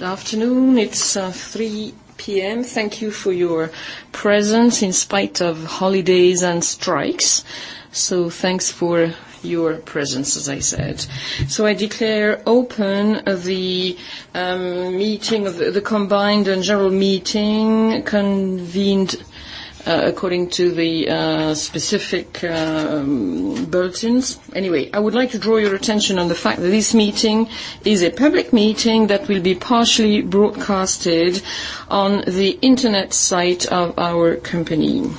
Good afternoon. It's 3:00 P.M. Thank you for your presence in spite of holidays and strikes. Thanks for your presence, as I said. I declare open the combined and general meeting convened according to the specific bulletins. I would like to draw your attention on the fact that this meeting is a public meeting that will be partially broadcasted on the internet site of our company.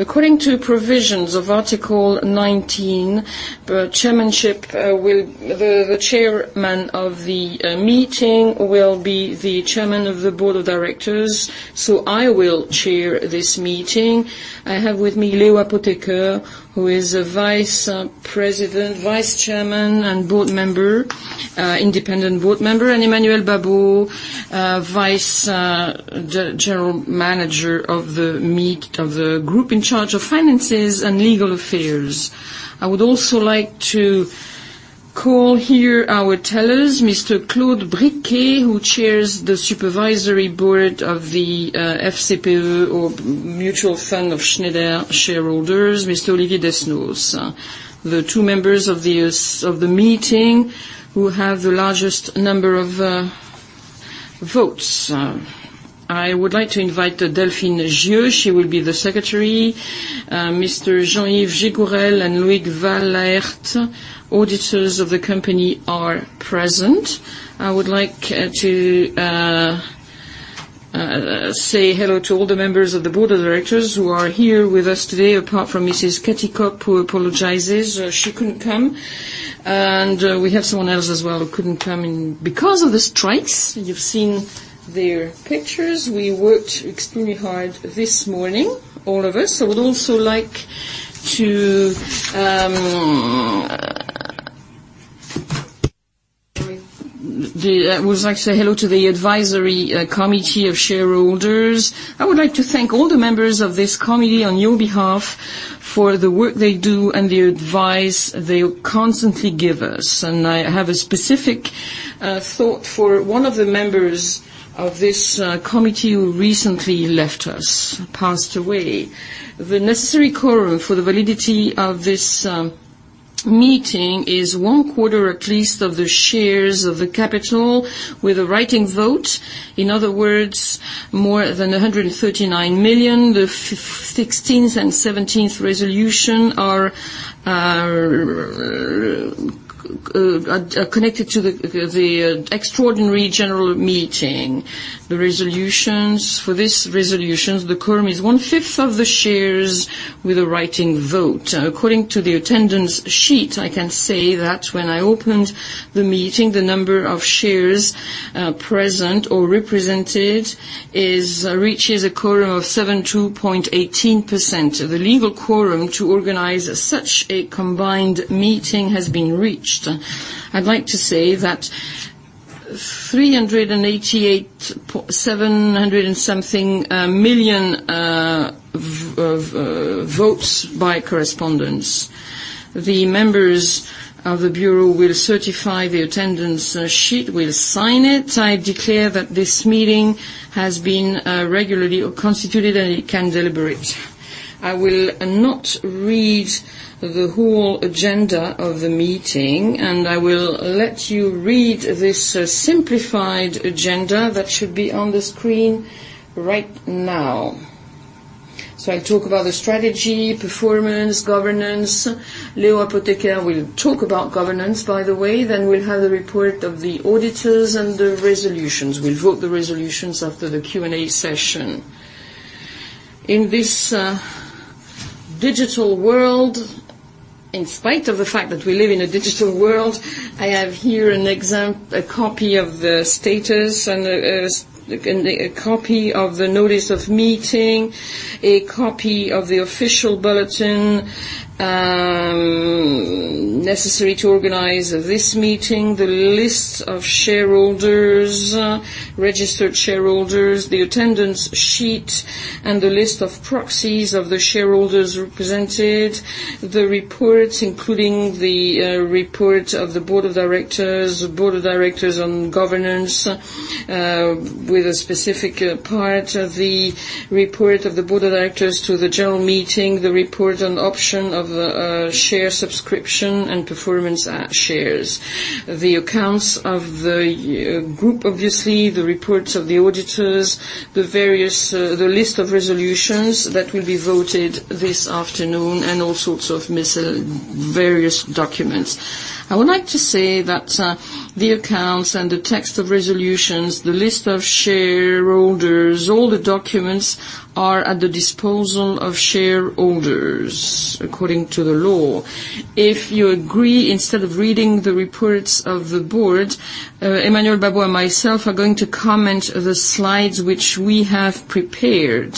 According to provisions of Article 19, the chairman of the meeting will be the chairman of the board of directors. I will chair this meeting. I have with me Léo Apotheker, who is a vice president, vice chairman, and independent board member, and Emmanuel Babeau, vice general manager of the group in charge of finances and legal affairs. I would also like to call here our tellers, Mr. Claude Briquet, who chairs the supervisory board of the FCP or mutual fund of Schneider shareholders, Mr. Olivier Desnos, the two members of the meeting who have the largest number of votes. I would like to invite Delphine Gieux, she will be the secretary. Mr. Jean-Yves Gicquel and Loïc Wallaert, auditors of the company are present. I would like to say hello to all the members of the board of directors who are here with us today, apart from Mrs. Cathy Kopp, who apologizes she couldn't come. We have someone else as well who couldn't come in because of the strikes. You've seen their pictures. We worked extremely hard this morning, all of us. I would also like to say hello to the advisory committee of shareholders. I would like to thank all the members of this committee on your behalf for the work they do and the advice they constantly give us. I have a specific thought for one of the members of this committee who recently left us, passed away. The necessary quorum for the validity of this meeting is one-quarter at least of the shares of the capital with a writing vote. In other words, more than 139 million. The 16th and 17th resolution are connected to the extraordinary general meeting. For this resolution, the quorum is one-fifth of the shares with a writing vote. According to the attendance sheet, I can say that when I opened the meeting, the number of shares present or represented reaches a quorum of 72.18%. The legal quorum to organize such a combined meeting has been reached. I'd like to say that 388,700 and something million votes by correspondence. The members of the bureau will certify the attendance sheet, will sign it. I declare that this meeting has been regularly constituted, and it can deliberate. I will not read the whole agenda of the meeting, and I will let you read this simplified agenda that should be on the screen right now. I talk about the strategy, performance, governance. Léo Apotheker will talk about governance, by the way. We'll have the report of the auditors and the resolutions. We'll vote the resolutions after the Q&A session. In this digital world, in spite of the fact that we live in a digital world, I have here a copy of the status and a copy of the notice of meeting, a copy of the official bulletin necessary to organize this meeting, the list of shareholders, registered shareholders, the attendance sheet, and the list of proxies of the shareholders represented, the reports, including the report of the board of directors on governance, with a specific part of the report of the board of directors to the general meeting, the report and option of the share subscription and performance shares. The accounts of the group, obviously, the reports of the auditors, the list of resolutions that will be voted this afternoon, and all sorts of various documents. I would like to say that the accounts and the text of resolutions, the list of shareholders, all the documents are at the disposal of shareholders according to the law. If you agree, instead of reading the reports of the board, Emmanuel Babeau and myself are going to comment the slides which we have prepared,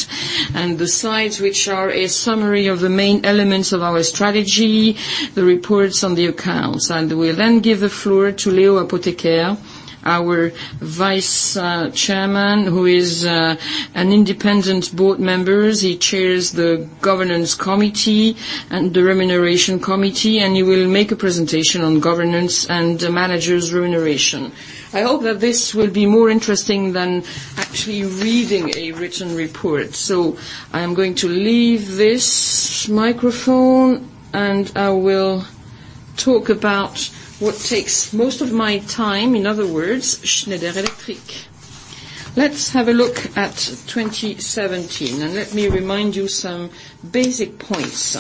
the slides which are a summary of the main elements of our strategy, the reports on the accounts. We'll then give the floor to Léo Apotheker, our vice chairman, who is an independent board member. He chairs the governance committee and the remuneration committee, and he will make a presentation on governance and managers' remuneration. I hope that this will be more interesting than actually reading a written report. I am going to leave this microphone, and talk about what takes most of my time. In other words, Schneider Electric. Let's have a look at 2017. Let me remind you some basic points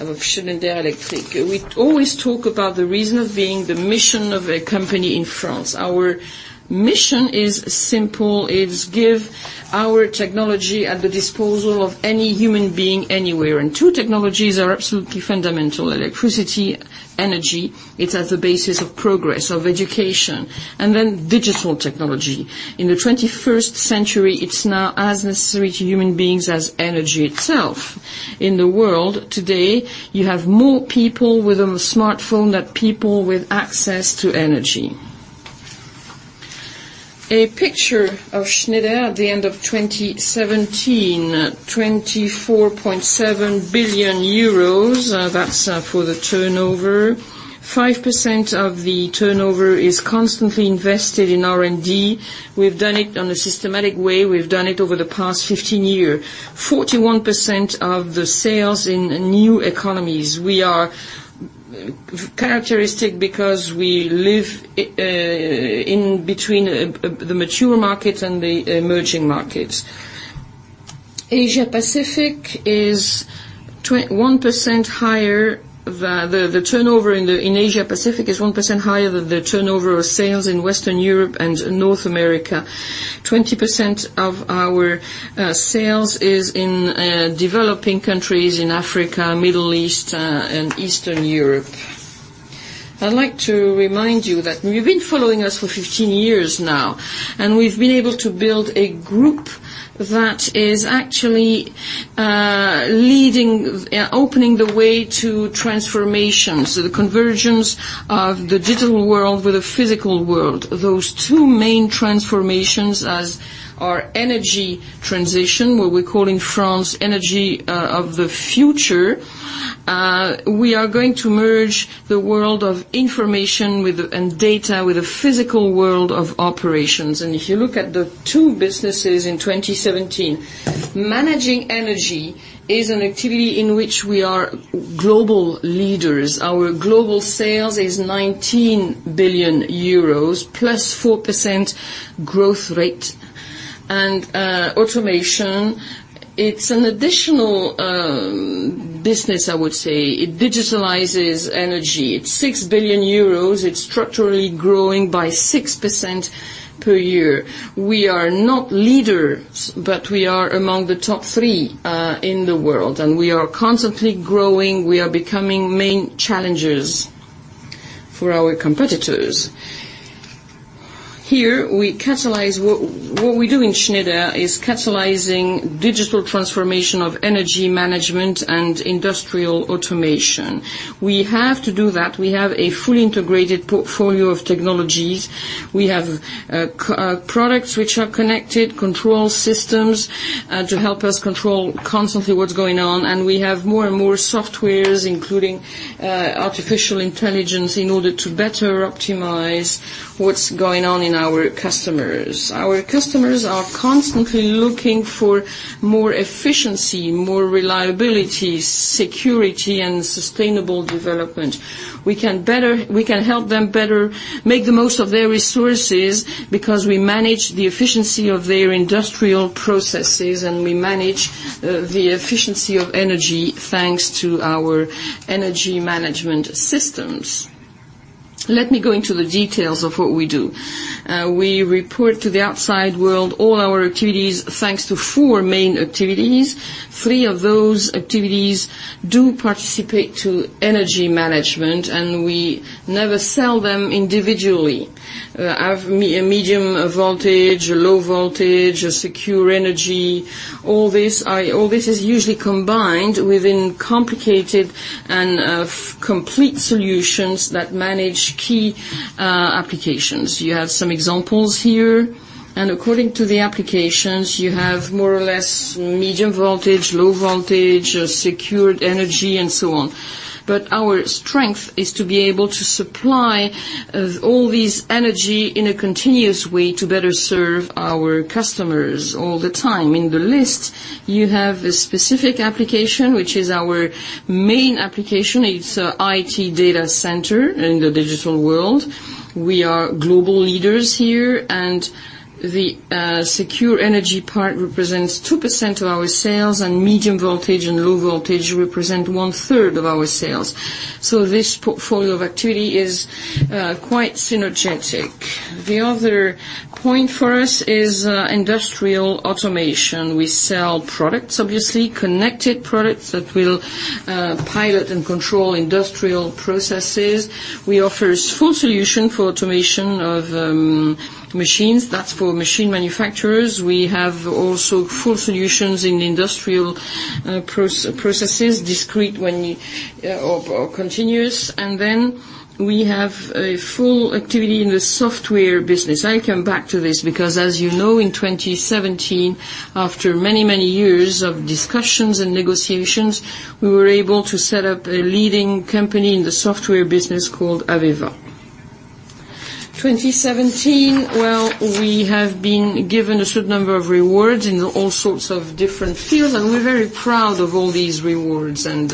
of Schneider Electric. We always talk about the reason of being, the mission of a company in France. Our mission is simple: It's give our technology at the disposal of any human being anywhere. Two technologies are absolutely fundamental, electricity, energy, it's at the basis of progress, of education. Then digital technology. In the 21st century, it's now as necessary to human beings as energy itself. In the world today, you have more people with a smartphone than people with Access to Energy. A picture of Schneider at the end of 2017, 24.7 billion euros, that's for the turnover. 5% of the turnover is constantly invested in R&D. We've done it in a systematic way. We've done it over the past 15 year. 41% of the sales in new economies. We are characteristic because we live in between the mature markets and the emerging markets. The turnover in Asia-Pacific is 1% higher than the turnover of sales in Western Europe and North America. 20% of our sales is in developing countries, in Africa, Middle East, and Eastern Europe. I'd like to remind you that you've been following us for 15 years now. We've been able to build a group that is actually leading, opening the way to transformation. The convergence of the digital world with the physical world, those two main transformations as our energy transition, what we call in France Energy of the Future. We are going to merge the world of information and data with the physical world of operations. If you look at the two businesses in 2017, managing energy is an activity in which we are global leaders. Our global sales is 19 billion euros, 4% growth rate. Automation, it's an additional business, I would say. It digitalizes energy. It's 6 billion euros. It's structurally growing by 6% per year. We are not leaders, but we are among the top three in the world, we are constantly growing. We are becoming main challengers for our competitors. Here, what we do in Schneider Electric is catalyzing digital transformation of energy management and industrial automation. We have to do that. We have a fully integrated portfolio of technologies. We have products which are connected, control systems to help us control constantly what's going on. We have more and more softwares, including artificial intelligence, in order to better optimize what's going on in our customers. Our customers are constantly looking for more efficiency, more reliability, security, and sustainable development. We can help them better make the most of their resources because we manage the efficiency of their industrial processes, we manage the efficiency of energy, thanks to our energy management systems. Let me go into the details of what we do. We report to the outside world all our activities, thanks to four main activities. Three of those activities do participate to energy management, we never sell them individually. A medium voltage, a low voltage, a secure energy, all this is usually combined within complicated and complete solutions that manage key applications. You have some examples here. According to the applications, you have more or less medium voltage, low voltage, secured energy, and so on. Our strength is to be able to supply all this energy in a continuous way to better serve our customers all the time. In the list, you have a specific application, which is our main application. It's IT data center in the digital world. We are global leaders here, the secure energy part represents 2% of our sales, medium voltage and low voltage represent one-third of our sales. This portfolio of activity is quite synergetic. The other point for us is industrial automation. We sell products, obviously, connected products that will pilot and control industrial processes. We offer a full solution for automation of machines. That's for machine manufacturers. We have also full solutions in industrial processes, discrete or continuous. Then we have a full activity in the software business. I come back to this because, as you know, in 2017, after many years of discussions and negotiations, we were able to set up a leading company in the software business called AVEVA. 2017, well, we have been given a certain number of rewards in all sorts of different fields, we're very proud of all these rewards and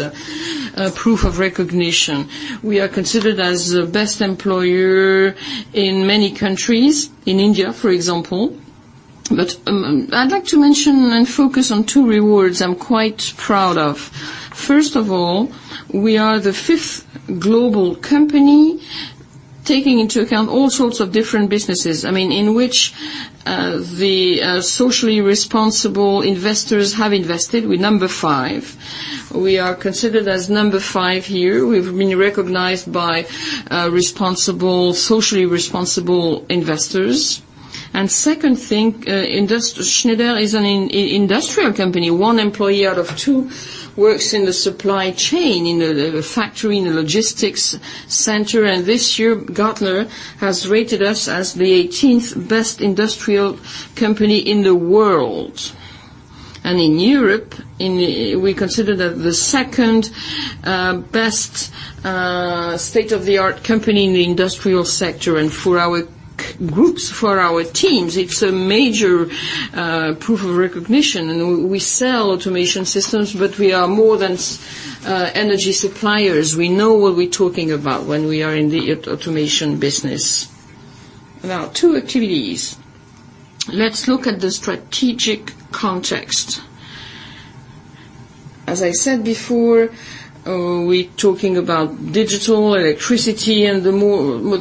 proof of recognition. We are considered as the best employer in many countries. In India, for example. I'd like to mention and focus on two rewards I'm quite proud of. First of all, we are the fifth global company, taking into account all sorts of different businesses, in which the socially responsible investors have invested. We're number five. We are considered as number five here. We've been recognized by socially responsible investors. Second thing, Schneider Electric is an industrial company. One employee out of two works in the supply chain, in a factory, in a logistics center. This year, Gartner has rated us as the 18th best industrial company in the world. In Europe, we're considered the second-best state-of-the-art company in the industrial sector. For our groups, for our teams, it's a major proof of recognition. We sell automation systems, but we are more than energy suppliers. We know what we're talking about when we are in the automation business. Two activities. Let's look at the strategic context. As I said before, we're talking about digital electricity. The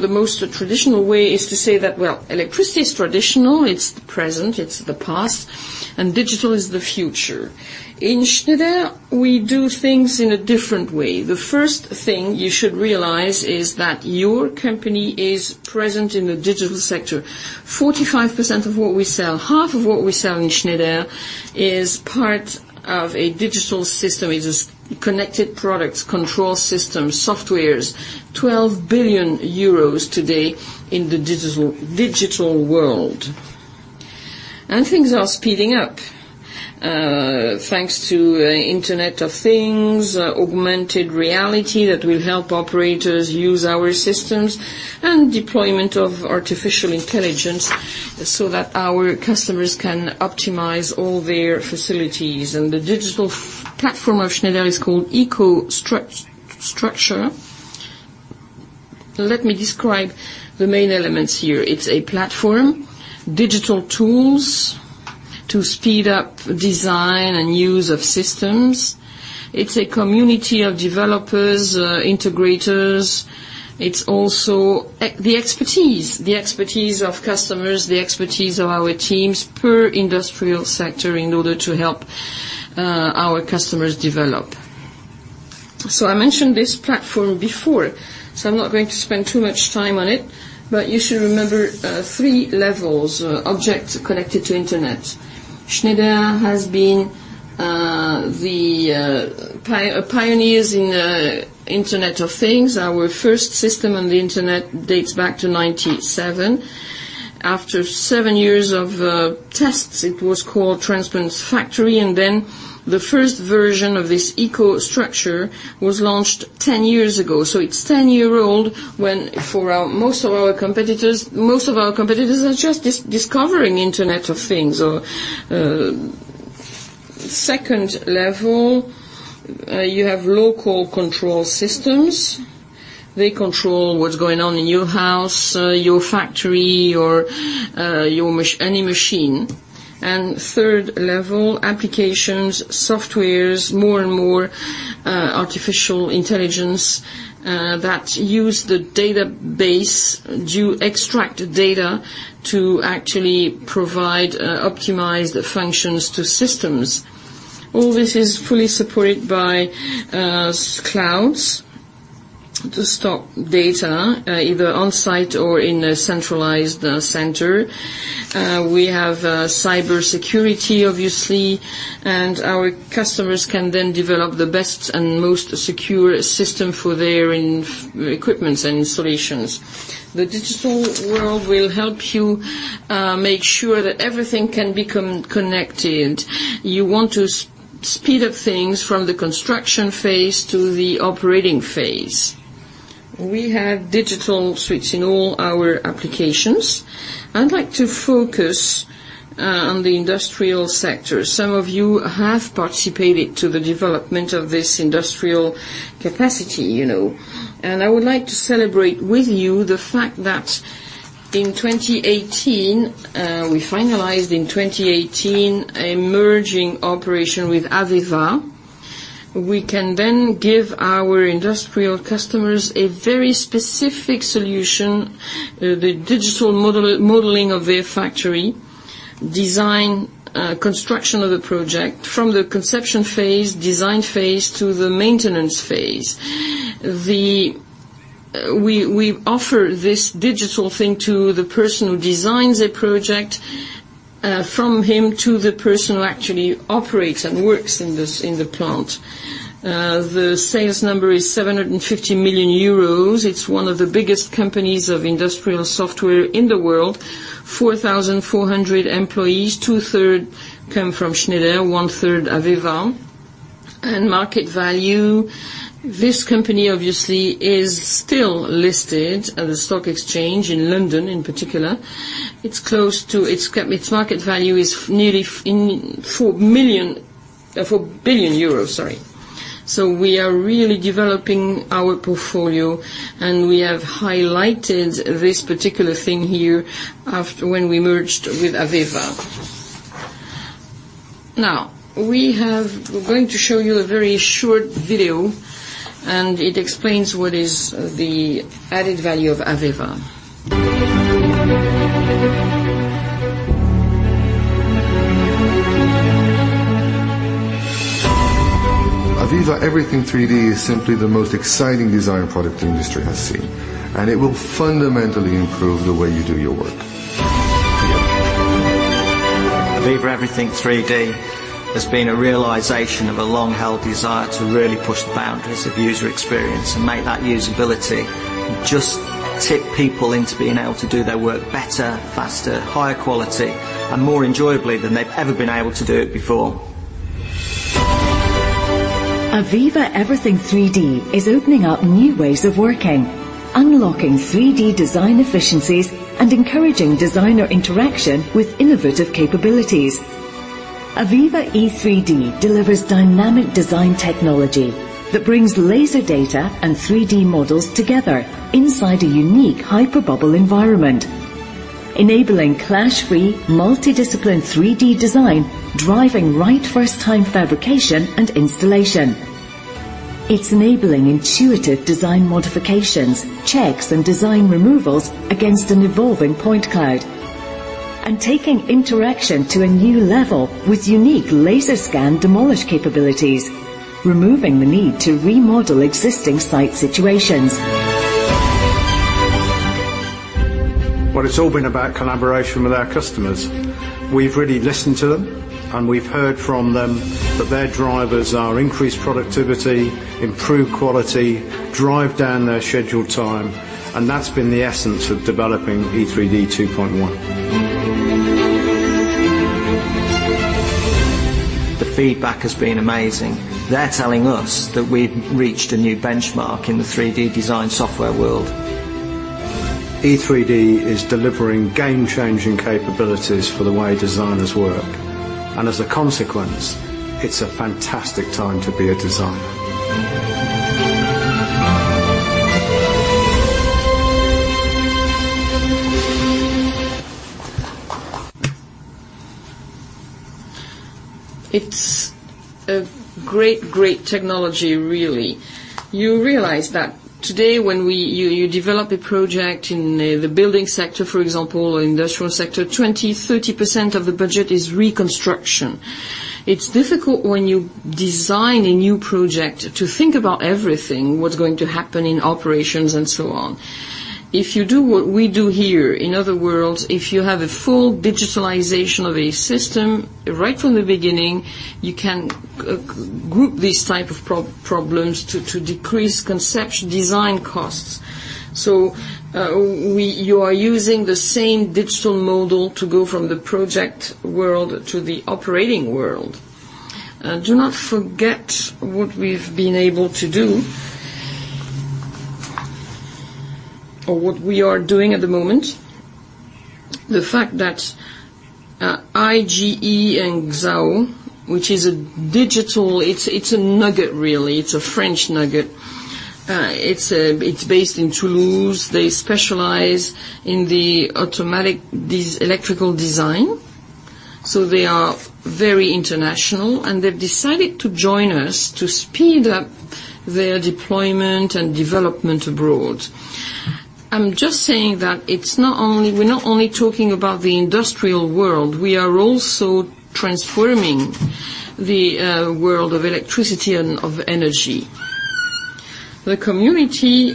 most traditional way is to say that, well, electricity is traditional, it's the present, it's the past. Digital is the future. In Schneider, we do things in a different way. The first thing you should realize is that your company is present in the digital sector. 45% of what we sell, half of what we sell in Schneider, is part of a digital system. It is connected products, control systems, softwares. 12 billion euros today in the digital world. Things are speeding up, thanks to Internet of Things, augmented reality that will help operators use our systems. Deployment of artificial intelligence so that our customers can optimize all their facilities. The digital platform of Schneider is called EcoStruxure. Let me describe the main elements here. It's a platform, digital tools to speed up design and use of systems. It's a community of developers, integrators. It's also the expertise. The expertise of customers, the expertise of our teams per industrial sector in order to help our customers develop. I mentioned this platform before, so I'm not going to spend too much time on it, but you should remember 3 levels, objects connected to internet. Schneider has been the pioneers in Internet of Things. Our first system on the internet dates back to 1997. After seven years of tests, it was called Transparent Factory. The first version of this EcoStruxure was launched 10 years ago. It's 10 year old, when most of our competitors are just discovering Internet of Things. Second level, you have local control systems. They control what's going on in your house, your factory, any machine. Third level, applications, softwares, more and more artificial intelligence that use the database, extract data to actually provide optimized functions to systems. All this is fully supported by clouds to stock data, either on-site or in a centralized center. We have cybersecurity, obviously. Our customers can then develop the best and most secure system for their equipments and solutions. The digital world will help you make sure that everything can become connected. You want to speed up things from the construction phase to the operating phase. We have digital suites in all our applications. I'd like to focus on the industrial sector. Some of you have participated to the development of this industrial capacity. I would like to celebrate with you the fact that in 2018, we finalized, in 2018, a merging operation with AVEVA. We can then give our industrial customers a very specific solution, the digital modeling of their factory, design, construction of the project from the conception phase, design phase, to the maintenance phase. We offer this digital thing to the person who designs a project, from him to the person who actually operates and works in the plant. The sales number is 750 million euros. It's one of the biggest companies of industrial software in the world. 4,400 employees. Two third come from Schneider, one third AVEVA. Market value. This company, obviously, is still listed at the stock exchange in London in particular. Its market value is nearly 4 billion euros. We are really developing our portfolio, and we have highlighted this particular thing here when we merged with AVEVA. We're going to show you a very short video, and it explains what is the added value of AVEVA. AVEVA Everything3D is simply the most exciting design the product industry has seen. It will fundamentally improve the way you do your work. AVEVA Everything3D has been a realization of a long-held desire to really push the boundaries of user experience and make that usability, and just tip people into being able to do their work better, faster, higher quality, and more enjoyably than they've ever been able to do it before. AVEVA Everything3D is opening up new ways of working, unlocking 3D design efficiencies, and encouraging designer interaction with innovative capabilities. AVEVA E3D delivers dynamic design technology that brings laser data and 3D models together inside a unique hyperbubble environment, enabling clash-free, multidiscipline 3D design, driving right first-time fabrication and installation. It's enabling intuitive design modifications, checks, and design removals against an evolving point cloud. Taking interaction to a new level with unique laser scan demolish capabilities, removing the need to remodel existing site situations. Well, it's all been about collaboration with our customers. We've really listened to them, and we've heard from them that their drivers are increased productivity, improved quality, drive down their scheduled time, and that's been the essence of developing E3D 2.1. The feedback has been amazing. They're telling us that we've reached a new benchmark in the 3D design software world. E3D is delivering game-changing capabilities for the way designers work. As a consequence, it's a fantastic time to be a designer. It's a great technology, really. You realize that today when you develop a project in the building sector, for example, or industrial sector, 20%, 30% of the budget is reconstruction. It's difficult when you design a new project to think about everything that's going to happen in operations and so on. If you do what we do here, in other words, if you have a full digitalization of a system right from the beginning, you can group these type of problems to decrease design costs. You are using the same digital model to go from the project world to the operating world. Do not forget what we've been able to do or what we are doing at the moment. The fact that IGE+XAO, which is a digital It's a nugget, really. It's a French nugget. It's based in Toulouse. They specialize in the automatic electrical design. They are very international, and they've decided to join us to speed up their deployment and development abroad. I'm just saying that we're not only talking about the industrial world, we are also transforming the world of electricity and of energy. Our community,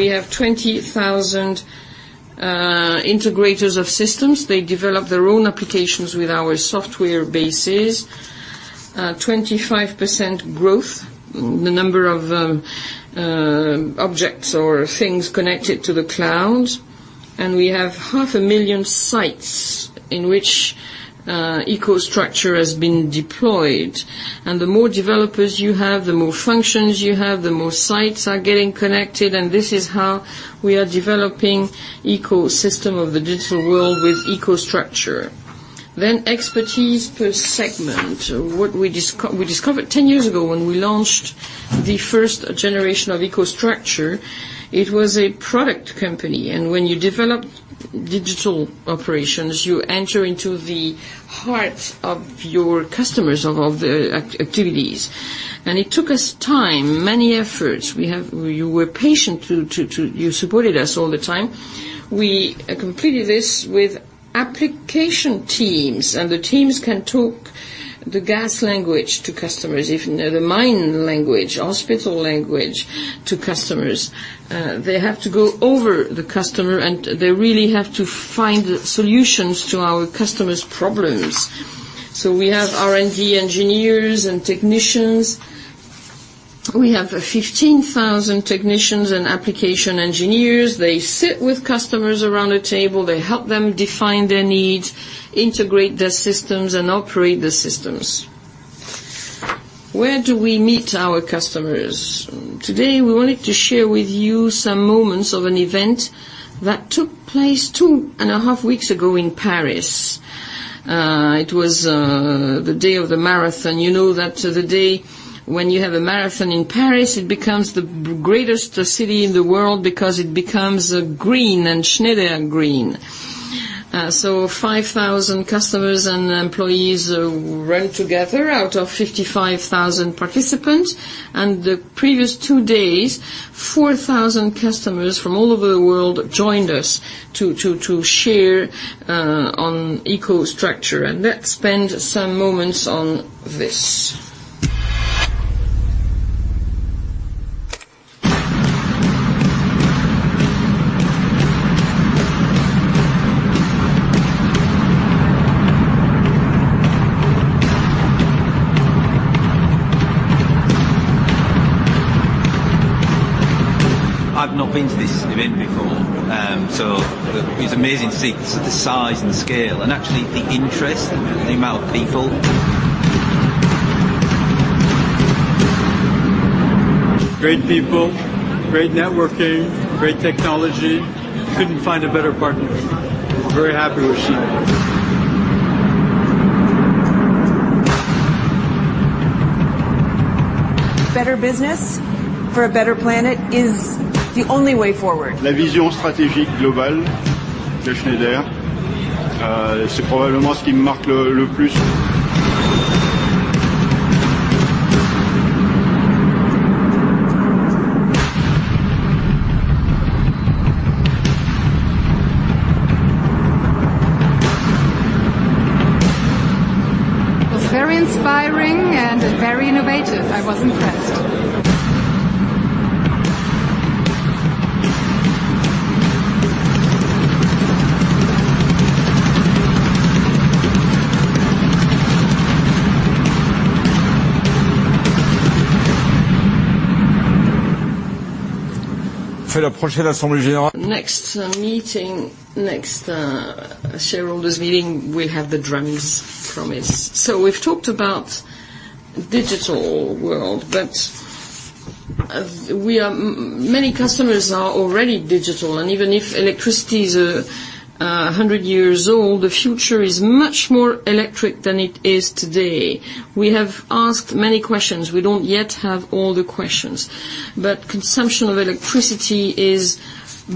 we have 20,000 integrators of systems. They develop their own applications with our software bases. 25% growth, the number of objects or things connected to the cloud. We have half a million sites in which EcoStruxure has been deployed. The more developers you have, the more functions you have, the more sites are getting connected, and this is how we are developing ecosystem of the digital world with EcoStruxure. Expertise per segment. We discovered 10 years ago when we launched the first generation of EcoStruxure, it was a product company. When you develop digital operations, you enter into the heart of your customers of all the activities. It took us time, many efforts. You were patient. You supported us all the time. We completed this with application teams. The teams can talk the gas language to customers, if they know the mine language, hospital language to customers. They have to go over the customer. They really have to find solutions to our customers' problems. We have R&D engineers and technicians. We have 15,000 technicians and application engineers. They sit with customers around a table, they help them define their needs, integrate their systems, and operate the systems. Where do we meet our customers? Today, we wanted to share with you some moments of an event that took place two and a half weeks ago in Paris. It was the day of the marathon. You know that the day when you have a marathon in Paris, it becomes the greatest city in the world because it becomes green, and Schneider green. 5,000 customers and employees ran together out of 55,000 participants. The previous two days, 4,000 customers from all over the world joined us to share on EcoStruxure. Let's spend some moments on this. I've not been to this event before. It's amazing to see the size and scale and actually the interest and the amount of people. Great people, great networking, great technology. Couldn't find a better partner. I'm very happy with Schneider. Better business for a better planet is the only way forward. Schneider's global strategic vision is probably what impresses me the most. It was very inspiring and very innovative. I was impressed. Next shareholders meeting, we have the drums, promise. We've talked about digital world, but many customers are already digital, and even if electricity is 100 years old, the future is much more electric than it is today. We have asked many questions. We don't yet have all the questions, but consumption of electricity is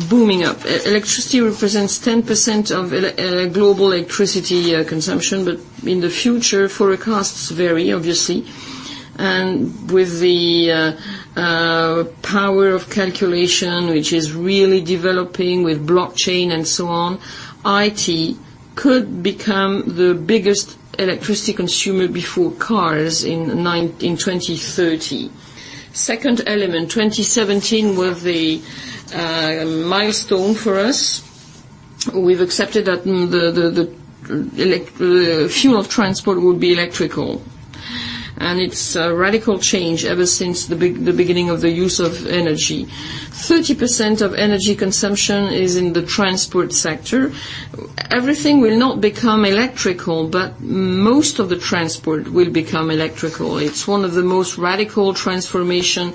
booming up. IT represents 10% of global electricity consumption, but in the future, forecasts vary, obviously. With the power of calculation, which is really developing with blockchain and so on, IT could become the biggest electricity consumer before cars in 2030. Second element, 2017 was the milestone for us. We've accepted that the fuel transport will be electrical, and it's a radical change ever since the beginning of the use of energy. 30% of energy consumption is in the transport sector. Everything will not become electrical, but most of the transport will become electrical. It's one of the most radical transformation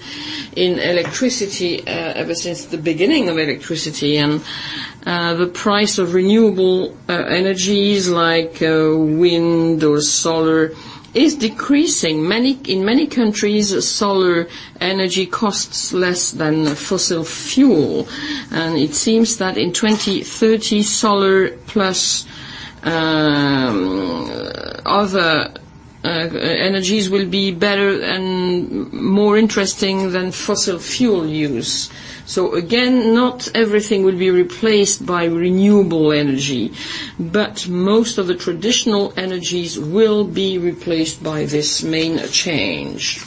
in electricity, ever since the beginning of electricity. The price of renewable energies like wind or solar is decreasing. In many countries, solar energy costs less than fossil fuel. It seems that in 2030, solar plus other energies will be better and more interesting than fossil fuel use. Again, not everything will be replaced by renewable energy, but most of the traditional energies will be replaced by this main change.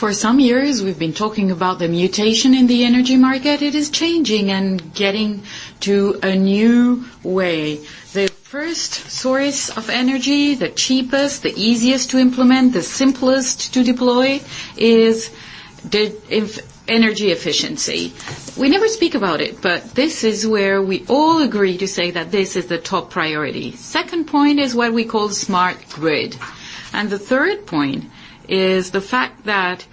For some years, we've been talking about the mutation in the energy market. It is changing and getting to a new way. The first source of energy, the cheapest, the easiest to implement, the simplest to deploy, is energy efficiency. We never speak about it, but this is where we all agree to say that this is the top priority. Second point is what we call smart grid. The third point is the fact that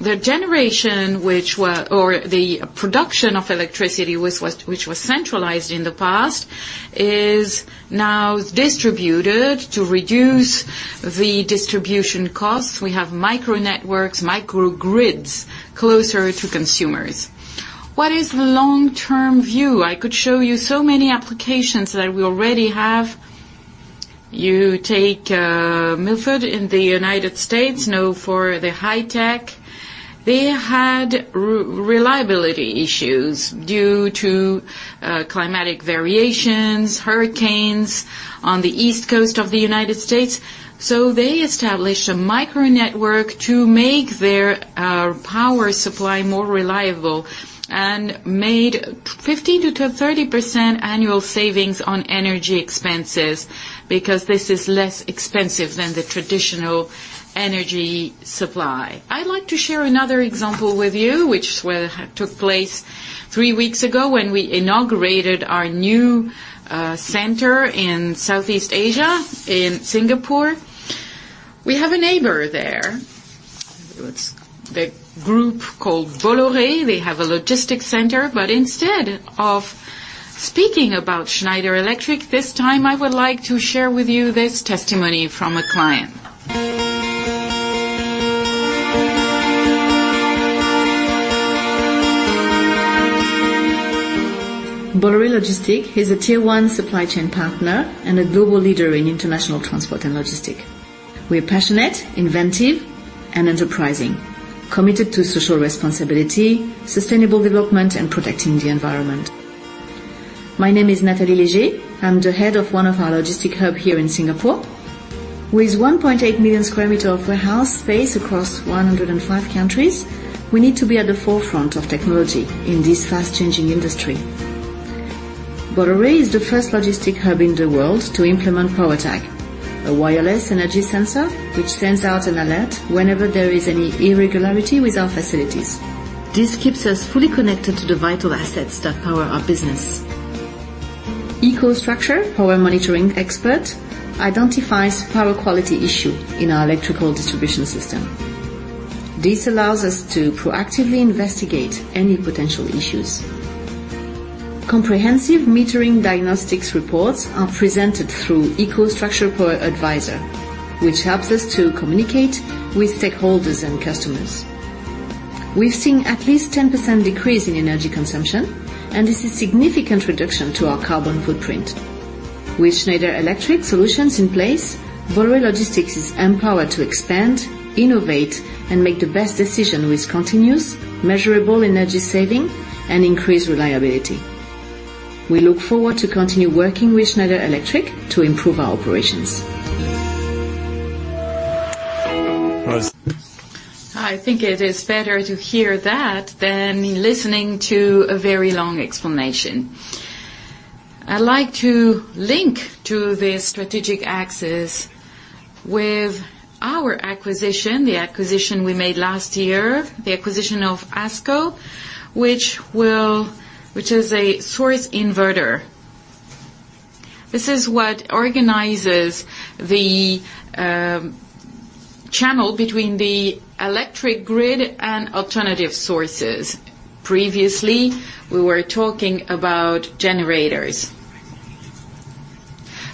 the generation or the production of electricity, which was centralized in the past, is now distributed to reduce the distribution cost. We have micro networks, micro grids closer to consumers. What is the long-term view? I could show you so many applications that we already have. You take Milford in the U.S., known for the high tech. They had reliability issues due to climatic variations, hurricanes on the East Coast of the U.S. They established a micro network to make their power supply more reliable and made 50%-30% annual savings on energy expenses because this is less expensive than the traditional energy supply. I'd like to share another example with you, which took place three weeks ago when we inaugurated our new center in Southeast Asia, in Singapore. We have a neighbor there. The group called Bolloré. They have a logistics center, but instead of speaking about Schneider Electric, this time I would like to share with you this testimony from a client. Bolloré Logistics is a tier one supply chain partner and a global leader in international transport and logistics. We are passionate, inventive, and enterprising, committed to social responsibility, sustainable development, and protecting the environment. My name is Nathalie Léger. I'm the head of one of our logistics hub here in Singapore. With 1.8 million sq m of warehouse space across 105 countries, we need to be at the forefront of technology in this fast-changing industry. Bolloré is the first logistic hub in the world to implement PowerTag, a wireless energy sensor which sends out an alert whenever there is any irregularity with our facilities. This keeps us fully connected to the vital assets that power our business. EcoStruxure Power Monitoring Expert identifies power quality issue in our electrical distribution system. This allows us to proactively investigate any potential issues. Comprehensive metering diagnostics reports are presented through EcoStruxure Power Advisor, which helps us to communicate with stakeholders and customers. We've seen at least 10% decrease in energy consumption, and this is significant reduction to our carbon footprint. With Schneider Electric solutions in place, Bolloré Logistics is empowered to expand, innovate, and make the best decision with continuous, measurable energy saving and increased reliability. We look forward to continue working with Schneider Electric to improve our operations. I think it is better to hear that than listening to a very long explanation. I'd like to link to the strategic axis with our acquisition, the acquisition we made last year, the acquisition of ASCO, which is a source inverter. This is what organizes the channel between the electric grid and alternative sources. Previously, we were talking about generators.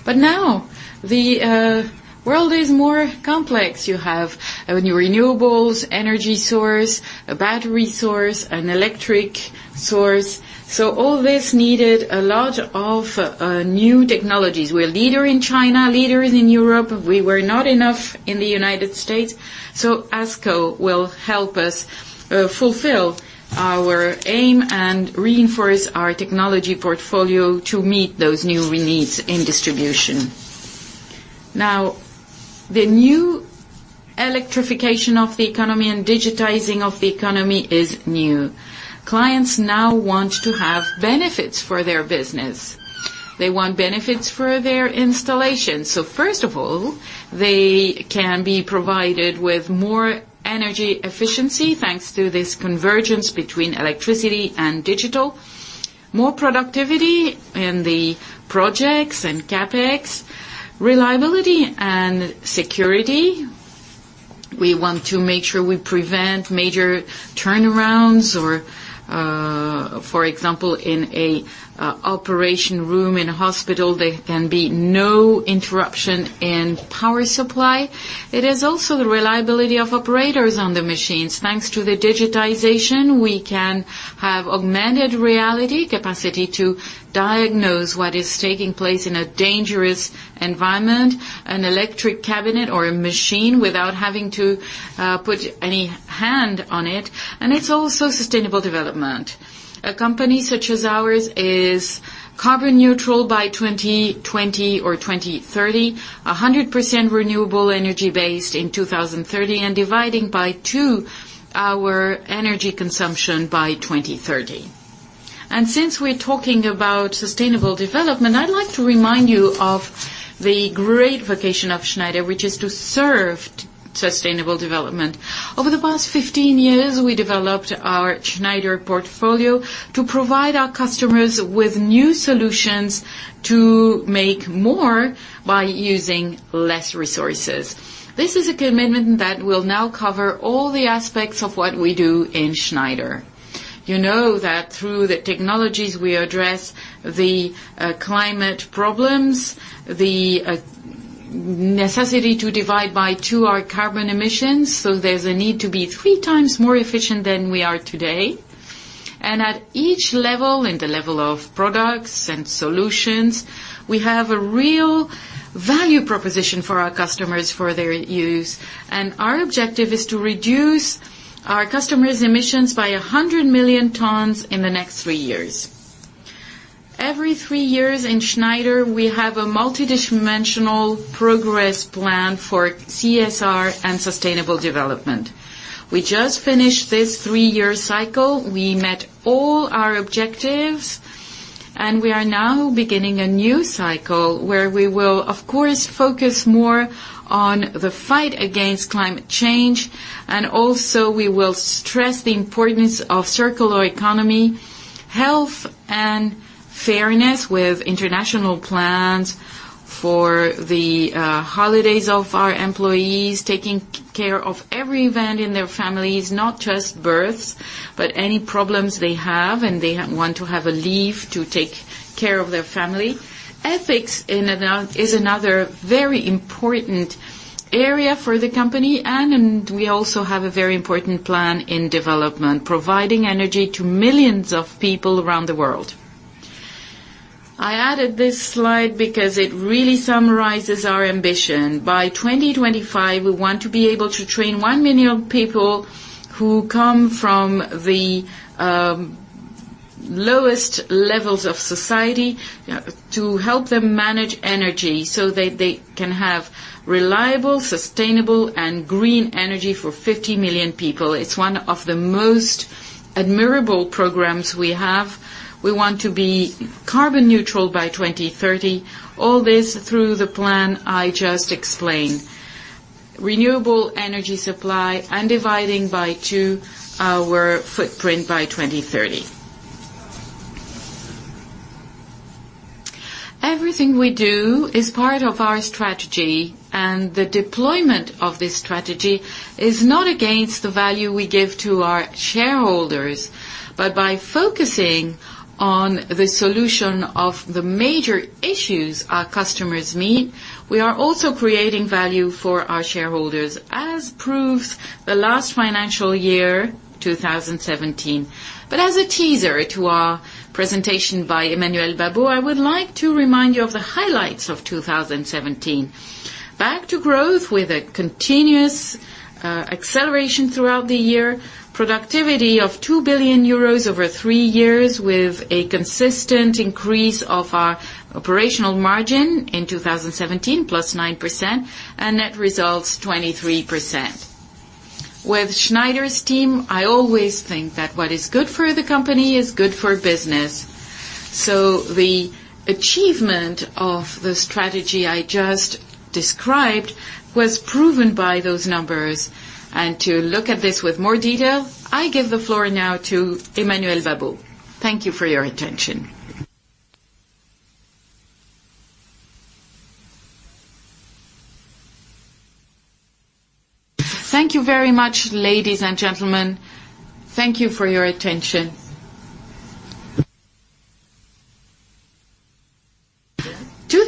Now, the world is more complex. You have your renewables, energy source, a battery source, an electric source. All this needed a lot of new technologies. We're leader in China, leaders in Europe. We were not enough in the U.S., so ASCO will help us fulfill our aim and reinforce our technology portfolio to meet those new needs in distribution. Now, the new electrification of the economy and digitizing of the economy is new. Clients now want to have benefits for their business. They want benefits for their installation. First of all, they can be provided with more energy efficiency, thanks to this convergence between electricity and digital, more productivity in the projects and CapEx, reliability and security. We want to make sure we prevent major turnarounds or, for example, in an operation room in a hospital, there can be no interruption in power supply. It is also the reliability of operators on the machines. Thanks to the digitization, we can have augmented reality capacity to diagnose what is taking place in a dangerous environment, an electric cabinet, or a machine without having to put any hand on it. It's also sustainable development. A company such as ours is carbon neutral by 2020 or 2030, 100% renewable energy-based in 2030, and dividing by two our energy consumption by 2030. Since we're talking about sustainable development, I'd like to remind you of the great vocation of Schneider, which is to serve sustainable development. Over the past 15 years, we developed our Schneider portfolio to provide our customers with new solutions to make more by using less resources. This is a commitment that will now cover all the aspects of what we do in Schneider. You know that through the technologies we address the climate problems, the necessity to divide by 2 our carbon emissions, there's a need to be 3 times more efficient than we are today. At each level, in the level of products and solutions, we have a real value proposition for our customers for their use. Our objective is to reduce our customers' emissions by 100 million tons in the next 3 years. Every 3 years in Schneider, we have a multidimensional progress plan for CSR and sustainable development. We just finished this 3-year cycle. We met all our objectives, we are now beginning a new cycle where we will, of course, focus more on the fight against climate change. Also, we will stress the importance of circular economy, health, and fairness with international plans. For the holidays of our employees, taking care of every event in their families, not just births, but any problems they have, and they want to have a leave to take care of their family. Ethics is another very important area for the company, and we also have a very important plan in development, providing energy to millions of people around the world. I added this slide because it really summarizes our ambition. By 2025, we want to be able to train 1 million people who come from the lowest levels of society to help them manage energy so they can have reliable, sustainable, and green energy for 50 million people. It's one of the most admirable programs we have. We want to be carbon neutral by 2030. All this through the plan I just explained. Renewable energy supply and dividing by 2 our footprint by 2030. Everything we do is part of our strategy, the deployment of this strategy is not against the value we give to our shareholders. By focusing on the solution of the major issues our customers meet, we are also creating value for our shareholders, as proves the last financial year, 2017. As a teaser to our presentation by Emmanuel Babeau, I would like to remind you of the highlights of 2017. Back to growth with a continuous acceleration throughout the year. Productivity of 2 billion euros over 3 years with a consistent increase of our operational margin in 2017, +9%, and net results 23%. With Schneider's team, I always think that what is good for the company is good for business. The achievement of the strategy I just described was proven by those numbers. To look at this with more detail, I give the floor now to Emmanuel Babeau. Thank you for your attention. Thank you very much, ladies and gentlemen. Thank you for your attention.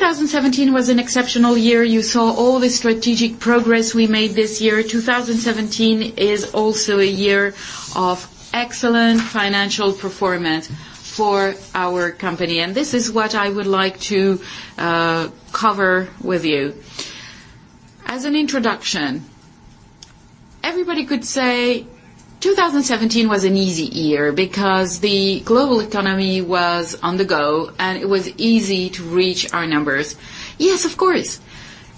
2017 was an exceptional year. You saw all the strategic progress we made this year. 2017 is also a year of excellent financial performance for our company, and this is what I would like to cover with you. As an introduction, everybody could say 2017 was an easy year because the global economy was on the go, and it was easy to reach our numbers. Yes, of course.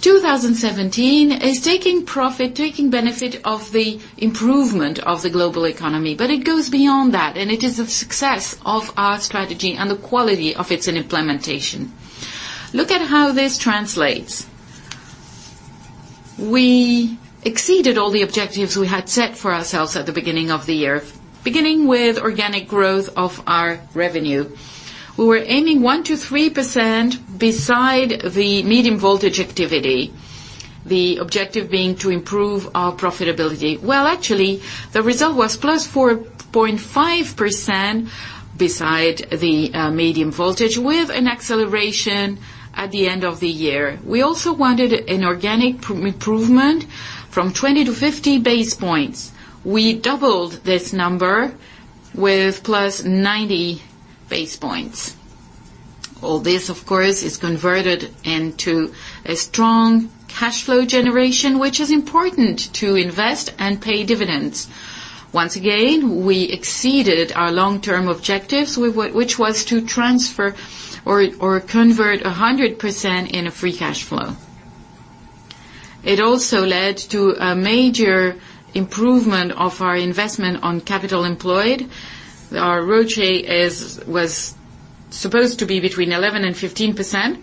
2017 is taking profit, taking benefit of the improvement of the global economy. It goes beyond that, and it is a success of our strategy and the quality of its implementation. Look at how this translates. We exceeded all the objectives we had set for ourselves at the beginning of the year, beginning with organic growth of our revenue. We were aiming 1%-3% beside the medium voltage activity, the objective being to improve our profitability. Well, actually, the result was +4.5% beside the medium voltage with an acceleration at the end of the year. We also wanted an organic improvement from 20-50 basis points. We doubled this number with +90 basis points. All this, of course, is converted into a strong cash flow generation, which is important to invest and pay dividends. Once again, we exceeded our long-term objectives, which was to transfer or convert 100% in a free cash flow. It also led to a major improvement of our investment on capital employed. Our ROCE was supposed to be between 11% and 15%.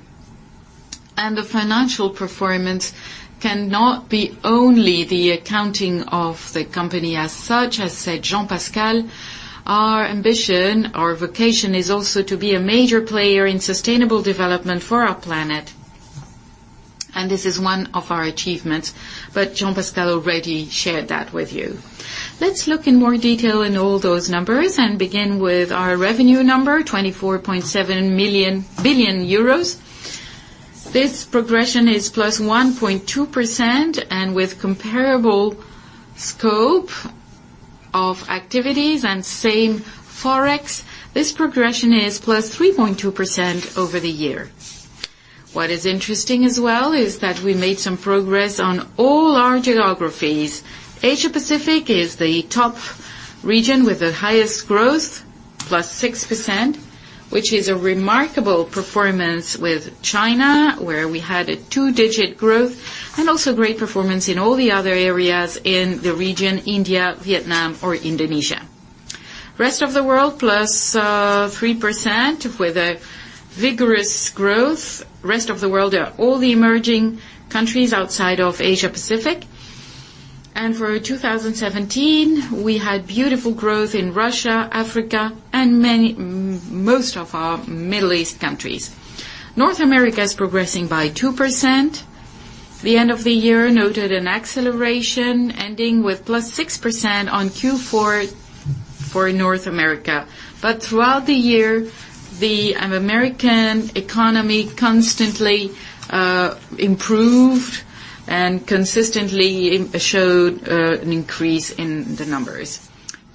The financial performance cannot be only the accounting of the company as such. As said, Jean-Pascal, our ambition, our vocation, is also to be a major player in sustainable development for our planet. This is one of our achievements, but Jean-Pascal already shared that with you. Let's look in more detail in all those numbers and begin with our revenue number, 24.7 billion euros. This progression is +1.2%. With comparable scope of activities and same Forex, this progression is +3.2% over the year. What is interesting as well is that we made some progress on all our geographies. Asia-Pacific is the top region with the highest growth, +6%, which is a remarkable performance with China, where we had a two-digit growth, and also great performance in all the other areas in the region, India, Vietnam, or Indonesia. Rest of the world, +3% with a vigorous growth. Rest of the world are all the emerging countries outside of Asia-Pacific. For 2017, we had beautiful growth in Russia, Africa, and most of our Middle East countries. North America is progressing by 2%. The end of the year noted an acceleration ending with +6% on Q4 for North America. Throughout the year, the American economy constantly improved and consistently showed an increase in the numbers.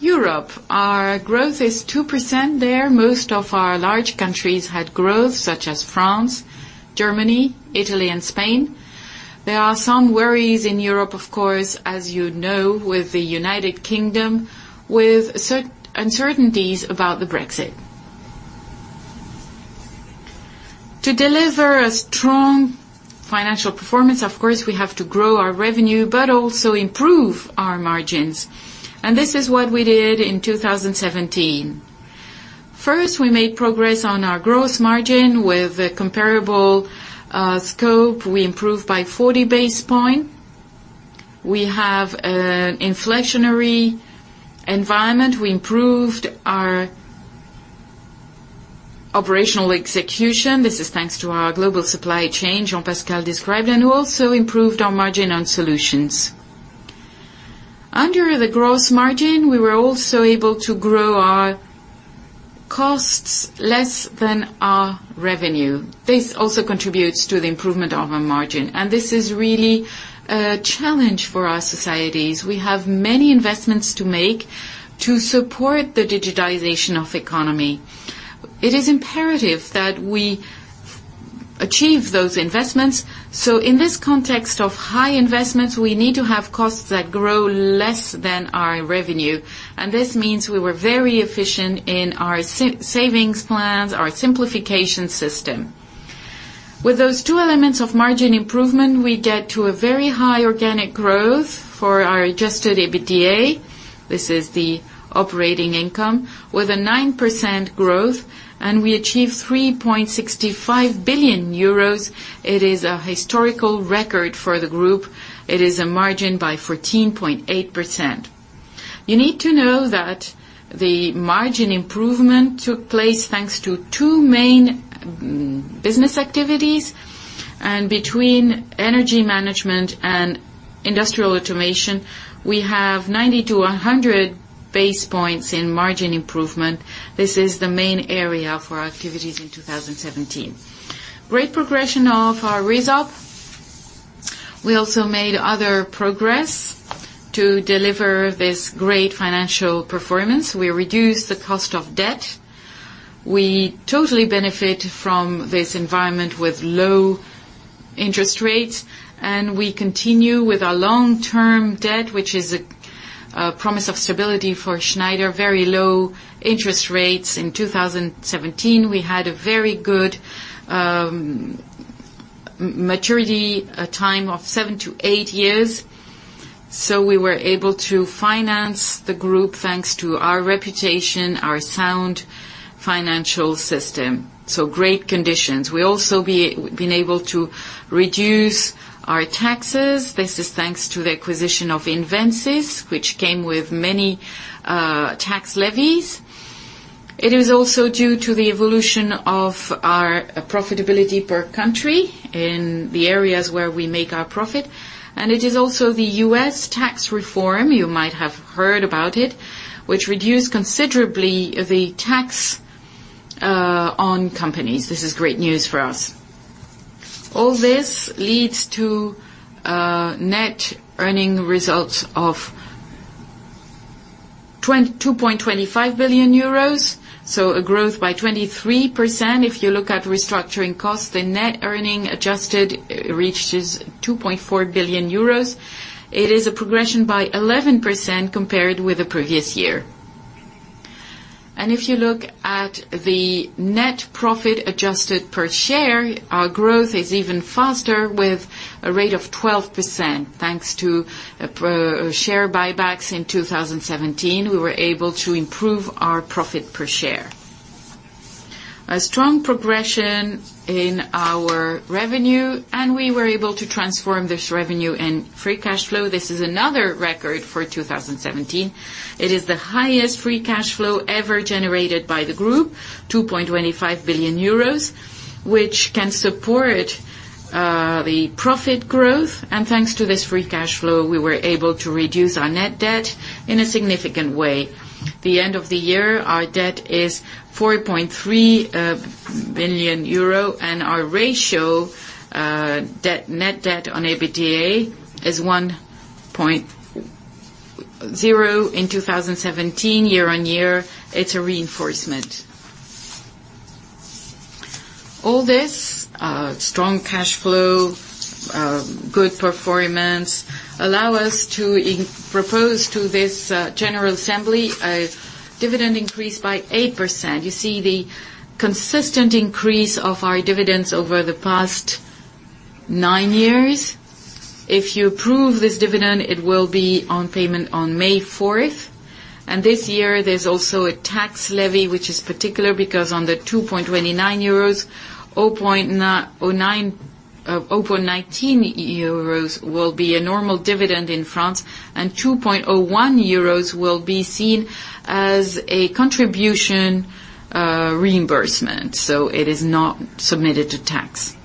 Europe, our growth is 2% there. Most of our large countries had growth such as France, Germany, Italy, and Spain. There are some worries in Europe, of course, as you know, with the United Kingdom, with uncertainties about the Brexit. To deliver a strong financial performance, of course, we have to grow our revenue, but also improve our margins. This is what we did in 2017. First, we made progress on our gross margin. With a comparable scope, we improved by 40 basis points. We have an inflationary environment. We improved our operational execution. This is thanks to our global supply chain Jean-Pascal described and also improved our margin on solutions. Under the gross margin, we were also able to grow our costs less than our revenue. This also contributes to the improvement of our margin, and this is really a challenge for our societies. We have many investments to make to support the digitization of economy. It is imperative that we achieve those investments. In this context of high investments, we need to have costs that grow less than our revenue. This means we were very efficient in our savings plans, our simplification system. With those two elements of margin improvement, we get to a very high organic growth for our adjusted EBITDA. This is the operating income with a 9% growth, and we achieved 3.65 billion euros. It is a historical record for the group. It is a margin by 14.8%. You need to know that the margin improvement took place thanks to two main business activities, and between energy management and industrial automation, we have 90 to 100 basis points in margin improvement. This is the main area for our activities in 2017. Great progression of our result. We also made other progress to deliver this great financial performance. We reduced the cost of debt. We totally benefit from this environment with low interest rates, and we continue with our long-term debt, which is a promise of stability for Schneider Electric. Very low interest rates. In 2017, we had a very good maturity, a time of seven to eight years. We were able to finance the group thanks to our reputation, our sound financial system. Great conditions. We also been able to reduce our taxes. This is thanks to the acquisition of Invensys, which came with many tax levers. It is also due to the evolution of our profitability per country in the areas where we make our profit. It is also the U.S. tax reform, you might have heard about it, which reduced considerably the tax on companies. This is great news for us. All this leads to net earning results of 2.25 billion euros, so a growth by 23%. If you look at restructuring costs, the net earning adjusted reaches 2.4 billion euros. It is a progression by 11% compared with the previous year. If you look at the net profit adjusted per share, our growth is even faster with a rate of 12%. Thanks to share buybacks in 2017, we were able to improve our profit per share. A strong progression in our revenue, and we were able to transform this revenue and free cash flow. This is another record for 2017. It is the highest free cash flow ever generated by the group, 2.25 billion euros, which can support the profit growth. Thanks to this free cash flow, we were able to reduce our net debt in a significant way. The end of the year, our debt is 4.3 billion euro, and our ratio, net debt on EBITDA, is 1.0 in 2017. Year-on-year, it's a reinforcement. All this, strong cash flow, good performance, allow us to propose to this general assembly a dividend increase by 8%. You see the consistent increase of our dividends over the past nine years. If you approve this dividend, it will be on payment on May 4th. This year there's also a tax levy, which is particular because on the €2.29, €0.19 will be a normal dividend in France, and €2.01 will be seen as a contribution reimbursement, so it is not submitted to tax.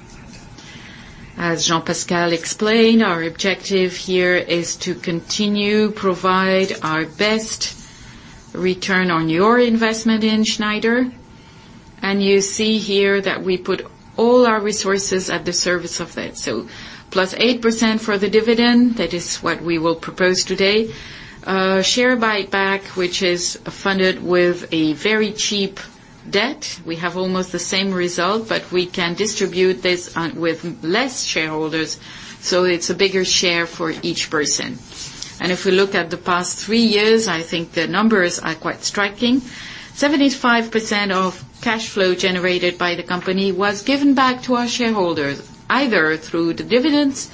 As Jean-Pascal explained, our objective here is to continue provide our best return on your investment in Schneider. You see here that we put all our resources at the service of that. Plus 8% for the dividend, that is what we will propose today. Share buyback, which is funded with a very cheap debt. We have almost the same result, but we can distribute this with less shareholders, so it's a bigger share for each person. If we look at the past three years, I think the numbers are quite striking. 75% of cash flow generated by the company was given back to our shareholders, either through the dividends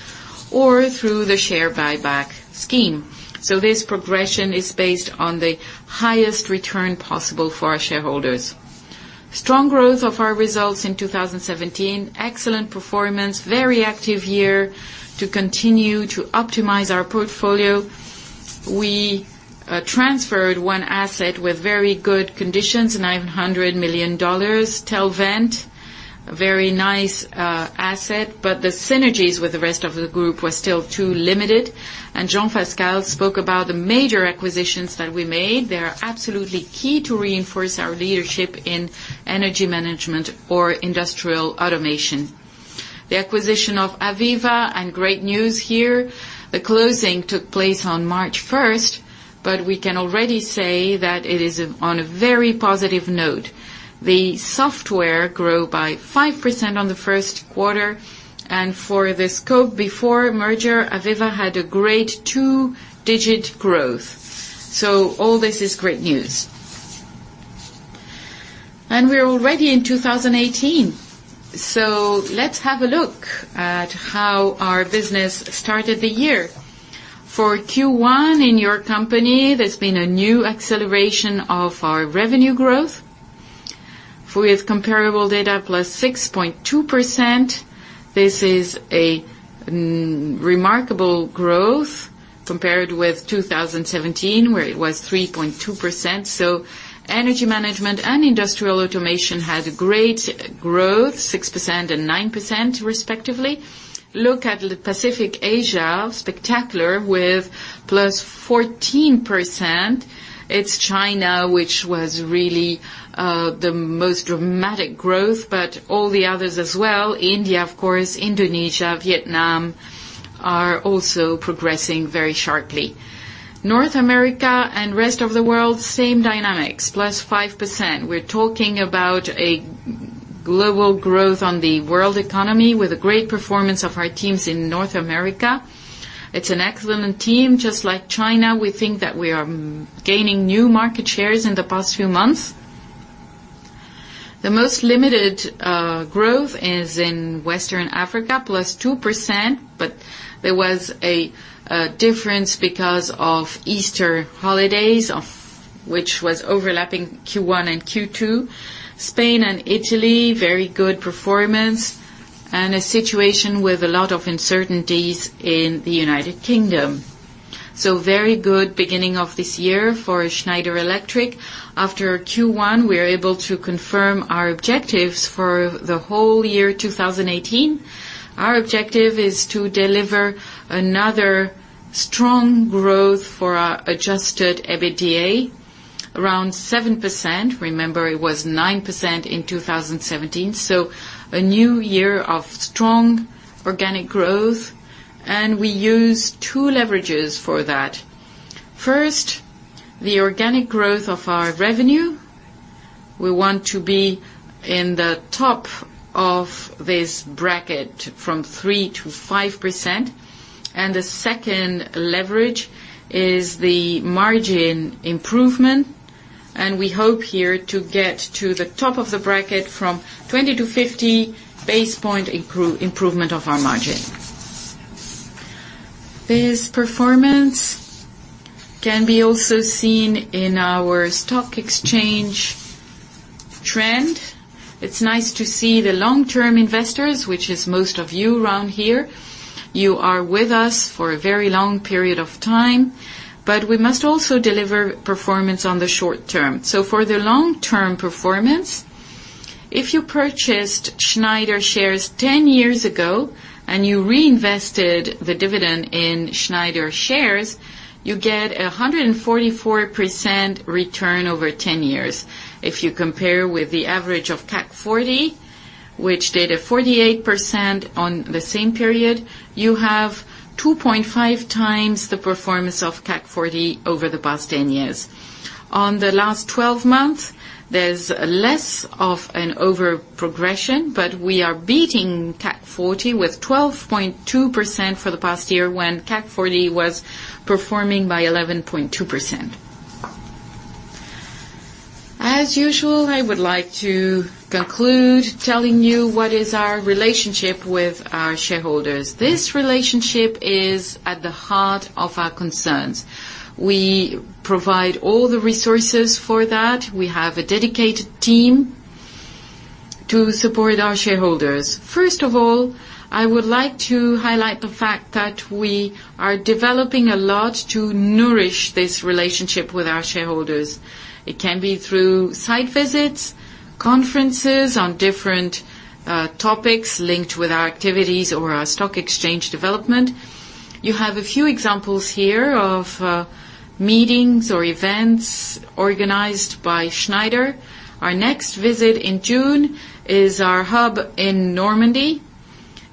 or through the share buyback scheme. This progression is based on the highest return possible for our shareholders. Strong growth of our results in 2017. Excellent performance, very active year to continue to optimize our portfolio. We transferred one asset with very good conditions, $900 million. Telvent, a very nice asset, but the synergies with the rest of the group were still too limited. Jean-Pascal spoke about the major acquisitions that we made. They are absolutely key to reinforce our leadership in energy management or industrial automation. The acquisition of AVEVA and great news here, the closing took place on March 1st, but we can already say that it is on a very positive note. The software grow by 5% on the first quarter, and for the scope before merger, AVEVA had a great two-digit growth. All this is great news. We're already in 2018. Let's have a look at how our business started the year. For Q1 in your company, there's been a new acceleration of our revenue growth. With comparable data plus 6.2%, this is a remarkable growth compared with 2017, where it was 3.2%. Energy management and industrial automation had a great growth, 6% and 9% respectively. Look at the Pacific Asia, spectacular with plus 14%. It's China which was really the most dramatic growth, but all the others as well. India, of course, Indonesia, Vietnam, are also progressing very sharply. North America and rest of the world, same dynamics, plus 5%. We're talking about a global growth on the world economy with a great performance of our teams in North America. It's an excellent team, just like China, we think that we are gaining new market shares in the past few months. The most limited growth is in Western Europe, plus 2%, but there was a difference because of Easter holidays, which was overlapping Q1 and Q2. Spain and Italy, very good performance. A situation with a lot of uncertainties in the U.K. Very good beginning of this year for Schneider Electric. After Q1, we are able to confirm our objectives for the whole year 2018. Our objective is to deliver another strong growth for our adjusted EBITDA, around 7%. Remember, it was 9% in 2017. A new year of strong organic growth, and we use two leverages for that. First, the organic growth of our revenue. We want to be in the top of this bracket from 3%-5%. And the second leverage is the margin improvement, and we hope here to get to the top of the bracket from 20-50 basis point improvement of our margin. This performance can be also seen in our stock exchange trend. It is nice to see the long-term investors, which is most of you around here. You are with us for a very long period of time, but we must also deliver performance on the short term. For the long-term performance, if you purchased Schneider shares 10 years ago and you reinvested the dividend in Schneider shares, you get 144% return over 10 years. If you compare with the average of CAC 40, which did a 48% on the same period, you have 2.5 times the performance of CAC 40 over the past 10 years. On the last 12 months, there is less of an over-progression, but we are beating CAC 40 with 12.2% for the past year, when CAC 40 was performing by 11.2%. I would like to conclude telling you what is our relationship with our shareholders. This relationship is at the heart of our concerns. We provide all the resources for that. We have a dedicated team to support our shareholders. First of all, I would like to highlight the fact that we are developing a lot to nourish this relationship with our shareholders. It can be through site visits, conferences on different topics linked with our activities or our stock exchange development. You have a few examples here of meetings or events organized by Schneider. Our next visit in June is our hub in Normandy.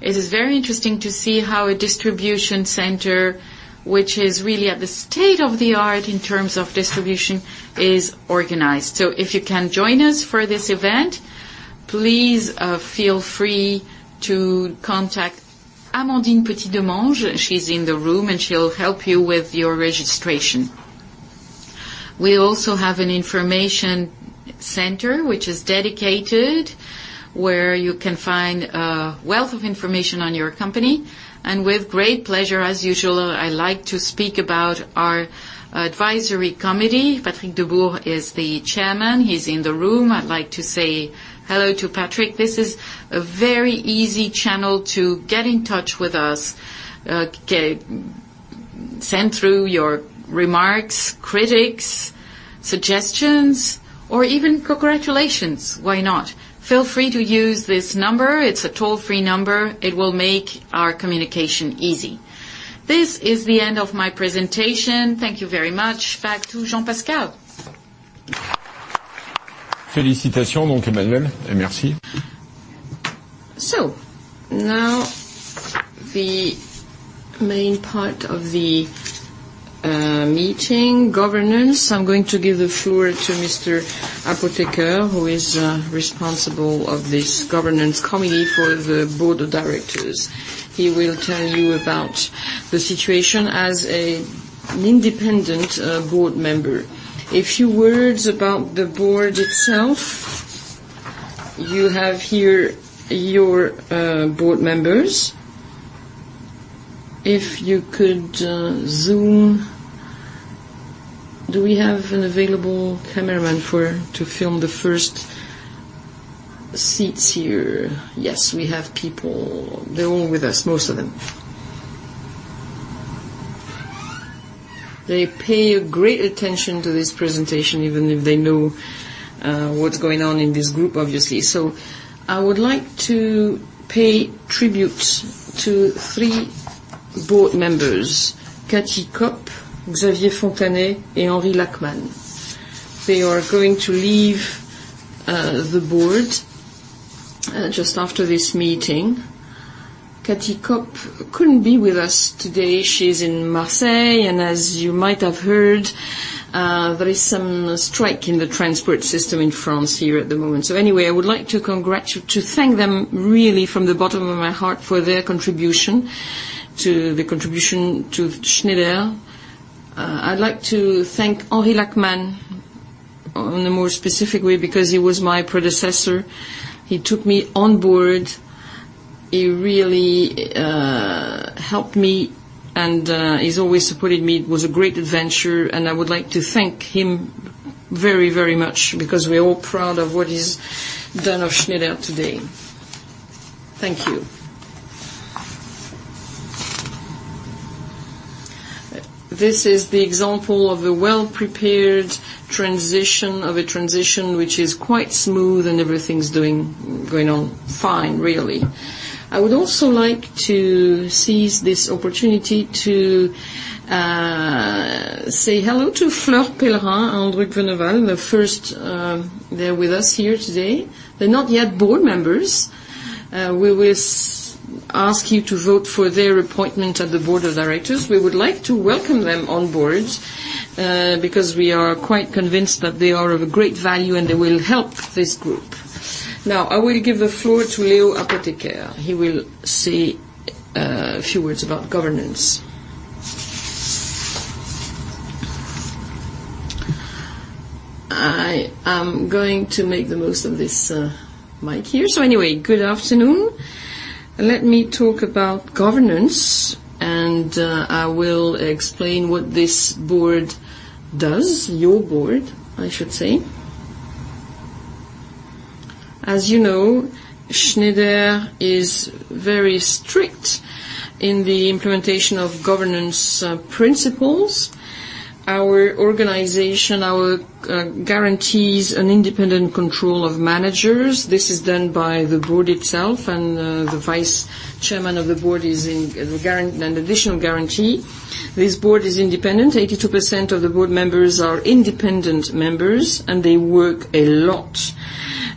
It is very interesting to see how a distribution center, which is really at the state of the art in terms of distribution, is organized. If you can join us for this event, please feel free to contact Amandine Petitdemange. She is in the room, and she will help you with your registration. We also have an information center, which is dedicated, where you can find a wealth of information on your company. And with great pleasure, as usual, I like to speak about our advisory committee. Patrick Debout is the chairman. He is in the room. I would like to say hello to Patrick. This is a very easy channel to get in touch with us, send through your remarks, critiques, suggestions, or even congratulations. Why not? Feel free to use this number. It is a toll-free number. It will make our communication easy. This is the end of my presentation. Thank you very much. Back to Jean-Pascal. Now the main part of the meeting, governance. I am going to give the floor to Mr. Apotheker, who is responsible of this governance committee for the board of directors. He will tell you about the situation as an independent board member. A few words about the board itself. You have here your board members. If you could zoom. Do we have an available cameraman to film the first seats here? Yes, we have people. They are all with us, most of them. They pay great attention to this presentation, even if they know what is going on in this group, obviously. I would like to pay tribute to three board members, Cathy Kopp, Xavier Fontanet, and Henri Lachmann. They are going to leave the board just after this meeting. Cathy Kopp couldn't be with us today. She's in Marseille, and as you might have heard, there is some strike in the transport system in France here at the moment. Anyway, I would like to thank them really from the bottom of my heart for their contribution to Schneider. I'd like to thank Henri Lachmann on a more specific way because he was my predecessor. He took me on board. He really helped me and he's always supported me. It was a great adventure, and I would like to thank him very much because we're all proud of what he's done of Schneider today. Thank you. This is the example of a well-prepared transition, of a transition which is quite smooth and everything's going on fine, really. I would also like to seize this opportunity to say hello to Fleur Pellerin and Henri de Castries. First, they're with us here today. They're not yet board members. We will ask you to vote for their appointment at the board of directors. We would like to welcome them on board because we are quite convinced that they are of a great value and they will help this group. Now, I will give the floor to Léo Apotheker. He will say a few words about governance. I am going to make the most of this mic here. Anyway, good afternoon. Let me talk about governance. I will explain what this board does, your board, I should say. As you know, Schneider is very strict in the implementation of governance principles. Our organization guarantees an independent control of managers. This is done by the board itself. The vice chairman of the board is an additional guarantee. This board is independent. 82% of the board members are independent members, and they work a lot.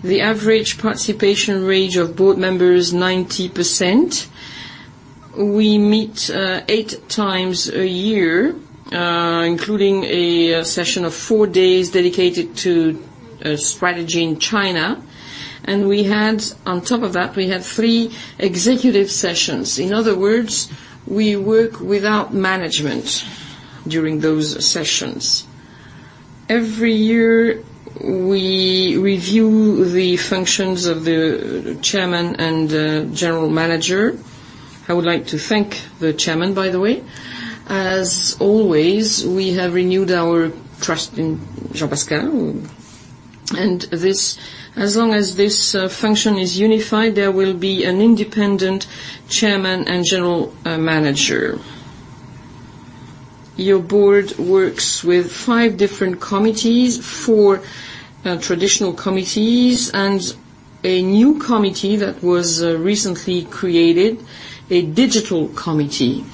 The average participation rate of board members, 90%. We meet eight times a year, including a session of four days dedicated to a strategy in China. On top of that, we have three executive sessions. In other words, we work without management during those sessions. Every year, we review the functions of the chairman and general manager. I would like to thank the chairman, by the way. As always, we have renewed our trust in Jean-Pascal. As long as this function is unified, there will be an independent chairman and general manager. Your board works with five different committees, four traditional committees, and a new committee that was recently created, a digital committee.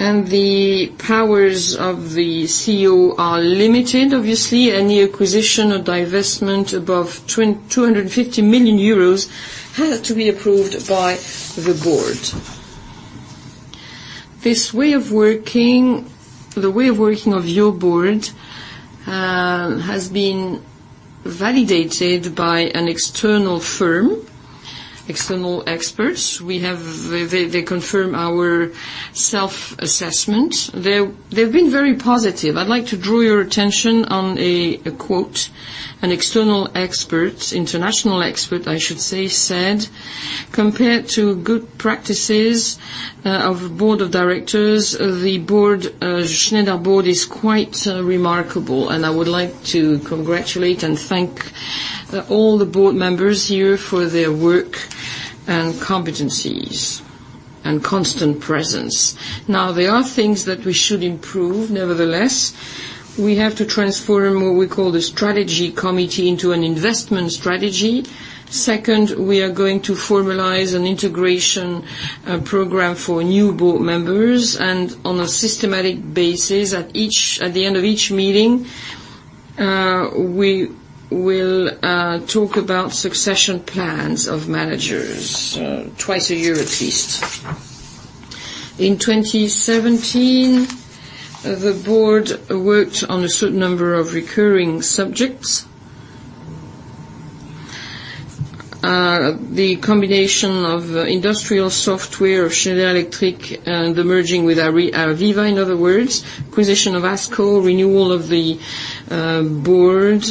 The powers of the CEO are limited, obviously. Any acquisition or divestment above 250 million euros had to be approved by the board. The way of working of your board has been validated by an external firm, external experts. They confirm our self-assessment. They've been very positive. I'd like to draw your attention on a quote. An external expert, international expert, I should say, said, "Compared to good practices of board of directors, the Schneider board is quite remarkable." I would like to congratulate and thank all the board members here for their work and competencies and constant presence. There are things that we should improve, nevertheless. We have to transform what we call the strategy committee into an investment strategy. We are going to formalize an integration program for new board members, and on a systematic basis, at the end of each meeting, we will talk about succession plans of managers, twice a year at least. In 2017, the board worked on a certain number of recurring subjects. The combination of Software Activities of Schneider Electric and the merging with AVEVA, in other words, acquisition of ASCO, renewal of the board,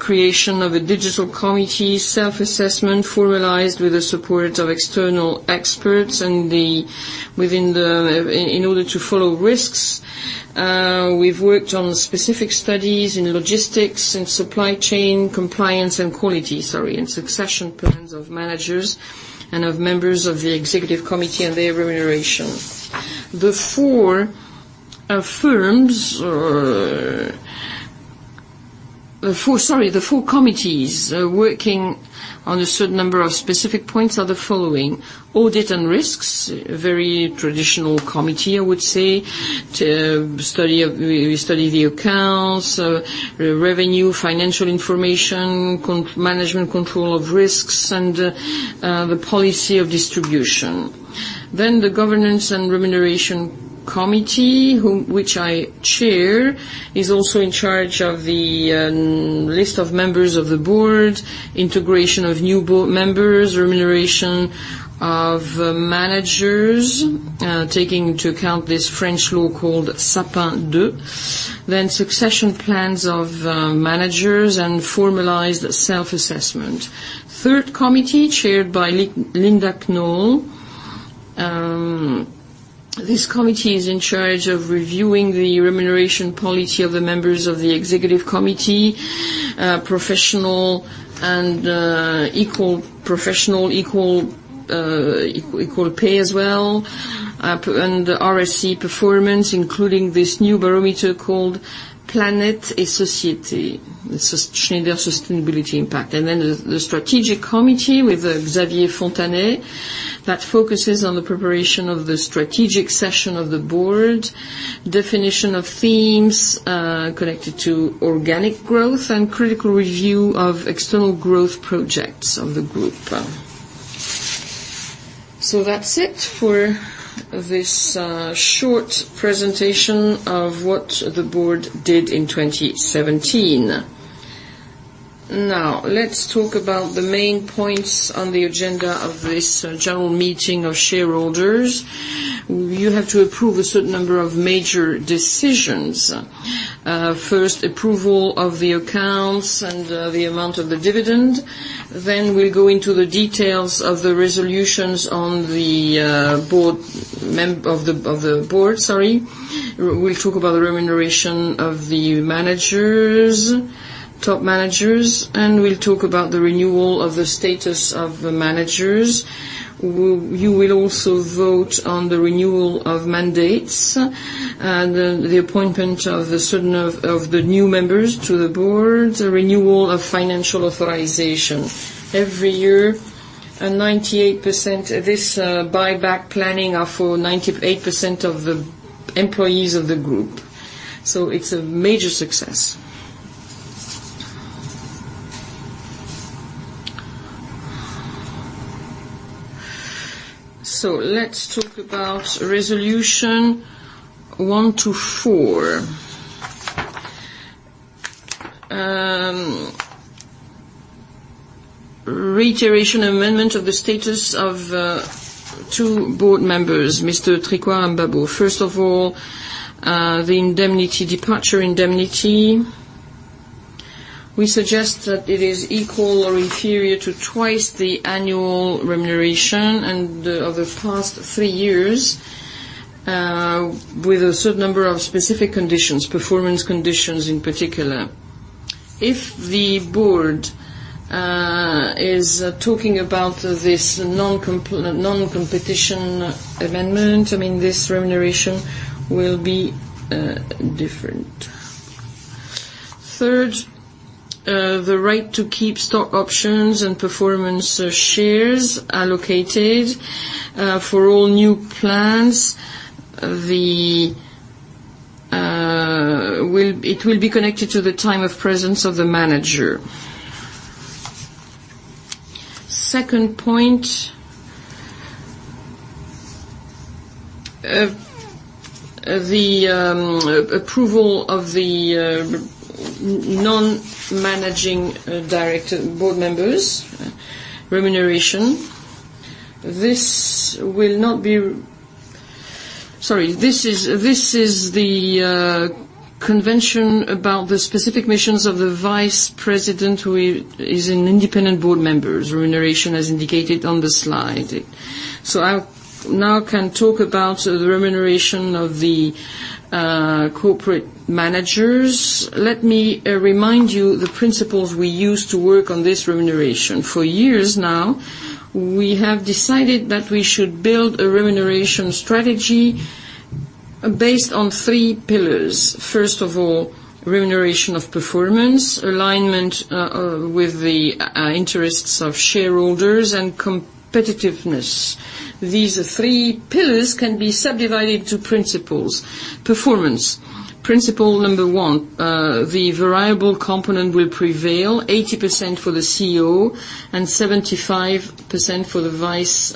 creation of a digital committee, self-assessment formalized with the support of external experts in order to follow risks. We've worked on specific studies in logistics and supply chain compliance and quality, and succession plans of managers and of members of the executive committee and their remuneration. The four committees working on a certain number of specific points are the following: audit and risks, very traditional committee, I would say, we study the accounts, revenue, financial information, management control of risks, and the policy of distribution. The governance and remuneration committee, which I chair, is also in charge of the list of members of the board, integration of new board members, remuneration of managers, taking into account this French law called Sapin II. Succession plans of managers and formalized self-assessment. Third committee, chaired by Linda Knoll. This committee is in charge of reviewing the remuneration policy of the members of the executive committee, professional and equal pay as well, and RSE performance, including this new barometer called Planète & Société. This is Schneider's sustainability impact. The strategic committee with Xavier Fontanet, that focuses on the preparation of the strategic session of the board, definition of themes connected to organic growth, and critical review of external growth projects of the group. That's it for this short presentation of what the board did in 2017. Let's talk about the main points on the agenda of this general meeting of shareholders. You have to approve a certain number of major decisions. Approval of the accounts and the amount of the dividend. We'll go into the details of the resolutions of the board. We'll talk about the remuneration of the top managers, and we'll talk about the renewal of the status of the managers. You will also vote on the renewal of mandates and the appointment of the new members to the board, the renewal of financial authorization. Every year, this buyback planning are for 98% of the employees of the group, so it's a major success. Let's talk about resolution one to four. Reiteration amendment of the status of two board members, Mr. Tricoire and Babeau. First of all, the departure indemnity. We suggest that it is equal or inferior to twice the annual remuneration of the past three years with a certain number of specific conditions, performance conditions in particular. If the board is talking about this non-competition amendment, this remuneration will be different. Third, the right to keep stock options and performance shares allocated for all new plans. It will be connected to the time of presence of the manager. Second point, the approval of the non-managing director board members' remuneration. This is the convention about the specific missions of the vice president who is an independent board member. Remuneration as indicated on the slide. I now can talk about the remuneration of the corporate managers. Let me remind you the principles we use to work on this remuneration. For years now, we have decided that we should build a remuneration strategy based on three pillars. First of all, remuneration of performance, alignment with the interests of shareholders, and competitiveness. These three pillars can be subdivided to principles. Performance, principle number 1, the variable component will prevail 80% for the CEO and 75% for the Vice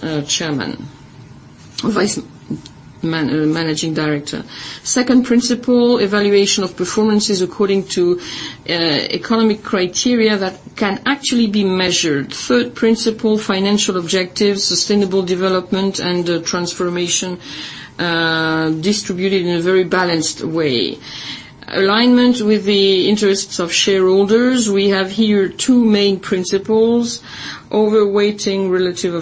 Managing Director. Second principle, evaluation of performances according to economic criteria that can actually be measured. Third principle, financial objectives, sustainable development, and transformation distributed in a very balanced way. Alignment with the interests of shareholders. We have here two main principles, relative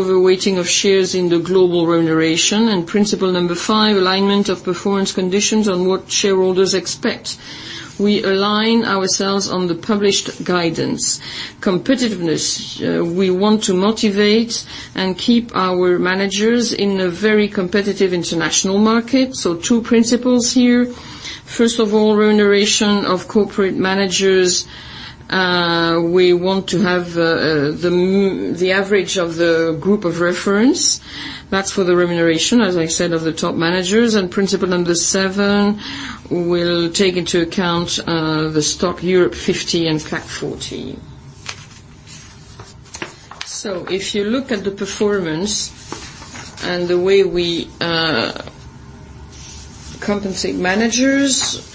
overweighting of shares in the global remuneration, and principle number 5, alignment of performance conditions on what shareholders expect. We align ourselves on the published guidance. Competitiveness. We want to motivate and keep our managers in a very competitive international market. Two principles here. First of all, remuneration of corporate managers. We want to have the average of the group of reference. That's for the remuneration, as I said, of the top managers. Principle number 7, we'll take into account the Euro Stoxx 50 and CAC 40. If you look at the performance and the way we compensate managers,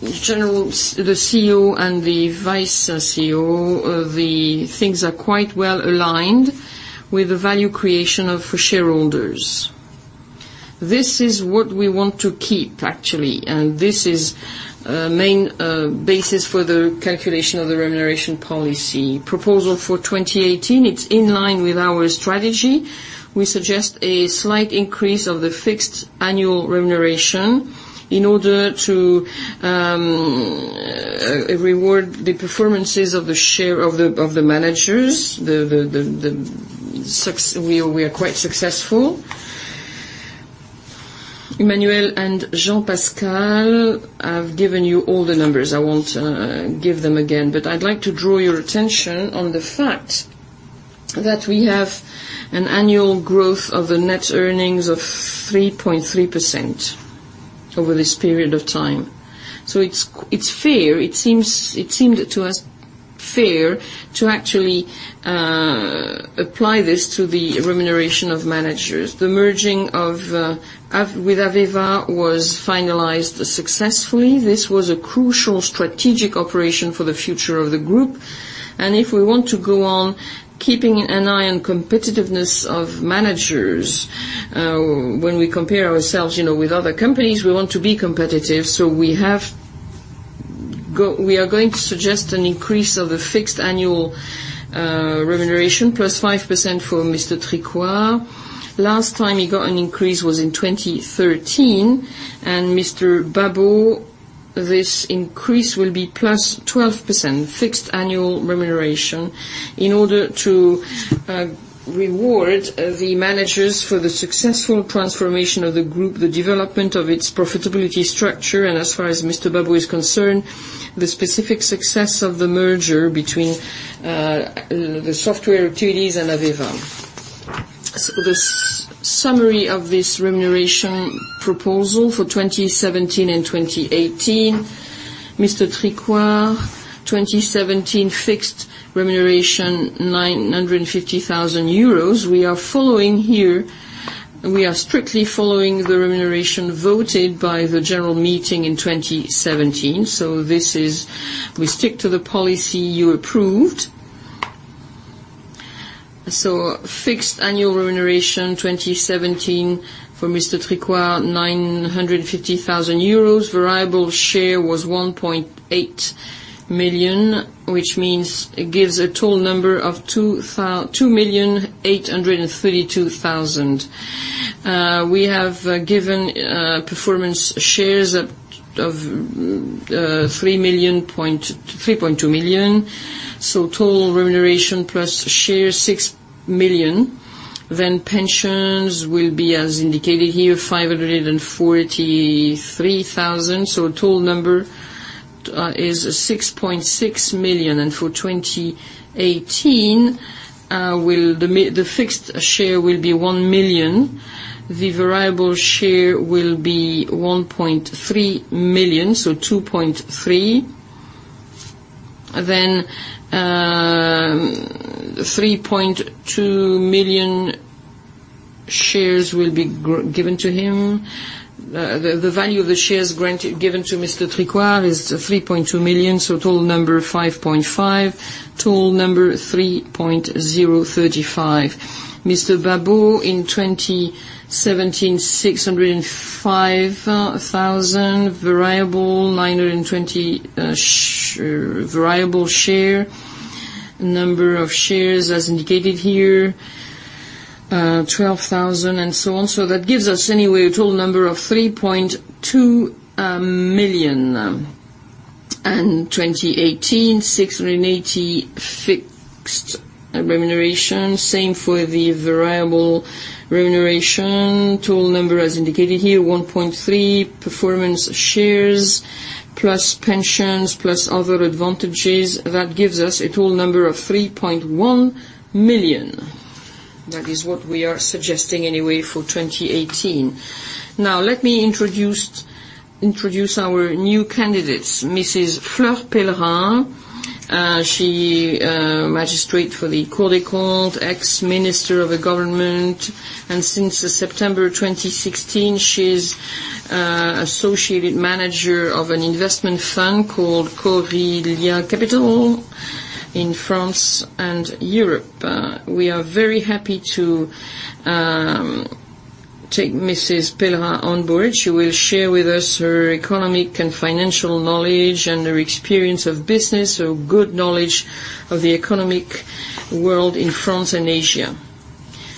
the CEO, and the Vice CEO, the things are quite well aligned with the value creation for shareholders. This is what we want to keep, actually. This is a main basis for the calculation of the remuneration policy. Proposal for 2018, it's in line with our strategy. We suggest a slight increase of the fixed annual remuneration in order to reward the performances of the managers. We are quite successful. Emmanuel and Jean-Pascal have given you all the numbers. I won't give them again, but I'd like to draw your attention on the fact that we have an annual growth of the net earnings of 3.3% over this period of time. It seemed to us fair to actually apply this to the remuneration of managers. The merging with AVEVA was finalized successfully. This was a crucial strategic operation for the future of the group. If we want to go on keeping an eye on competitiveness of managers, when we compare ourselves with other companies, we want to be competitive. We are going to suggest an increase of the fixed annual remuneration, plus 5% for Mr. Tricoire. Last time he got an increase was in 2013. Mr. Babeau, this increase will be plus 12% fixed annual remuneration in order to reward the managers for the successful transformation of the group, the development of its profitability structure. As far as Mr. Babeau is concerned, the specific success of the merger between the Software Activities and AVEVA. The summary of this remuneration proposal for 2017 and 2018. Mr. Tricoire, 2017 fixed remuneration 950,000 euros. We are following here. We are strictly following the remuneration voted by the general meeting in 2017. We stick to the policy you approved. Fixed annual remuneration 2017 for Mr. Tricoire, 950,000 euros. Variable share was 1.8 million, which means it gives a total number of 2,832,000. We have given performance shares of 3.2 million. Total remuneration plus share, 6 million. Then pensions will be as indicated here, 543,000. Total number is 6.6 million. For 2018, the fixed share will be 1 million. The variable share will be 1.3 million, so 2.3 million. Then 3.2 million shares will be given to him. The value of the shares given to Mr. Tricoire is 3.2 million, so total number 5.5 million, total number 3.35 million. Mr. Babeau in 2017, 605,000 variable compensation, 920,000 variable share-based compensation. Number of shares as indicated here, 12,000, and so on. That gives us anyway a total number of 3.2 million. 2018, 680 fixed remuneration, same for the variable remuneration. Total number as indicated here, 1.3 million performance shares plus pensions plus other advantages. That gives us a total number of 3.1 million. That is what we are suggesting anyway for 2018. Let me introduce our new candidates. Mrs. Fleur Pellerin, she magistrate for the Cour des comptes, ex-minister of the government, and since September 2016, she's associated manager of an investment fund called Korelya Capital in France and Europe. We are very happy to take Mrs. Pellerin on board. She will share with us her economic and financial knowledge and her experience of business, her good knowledge of the economic world in France and Asia.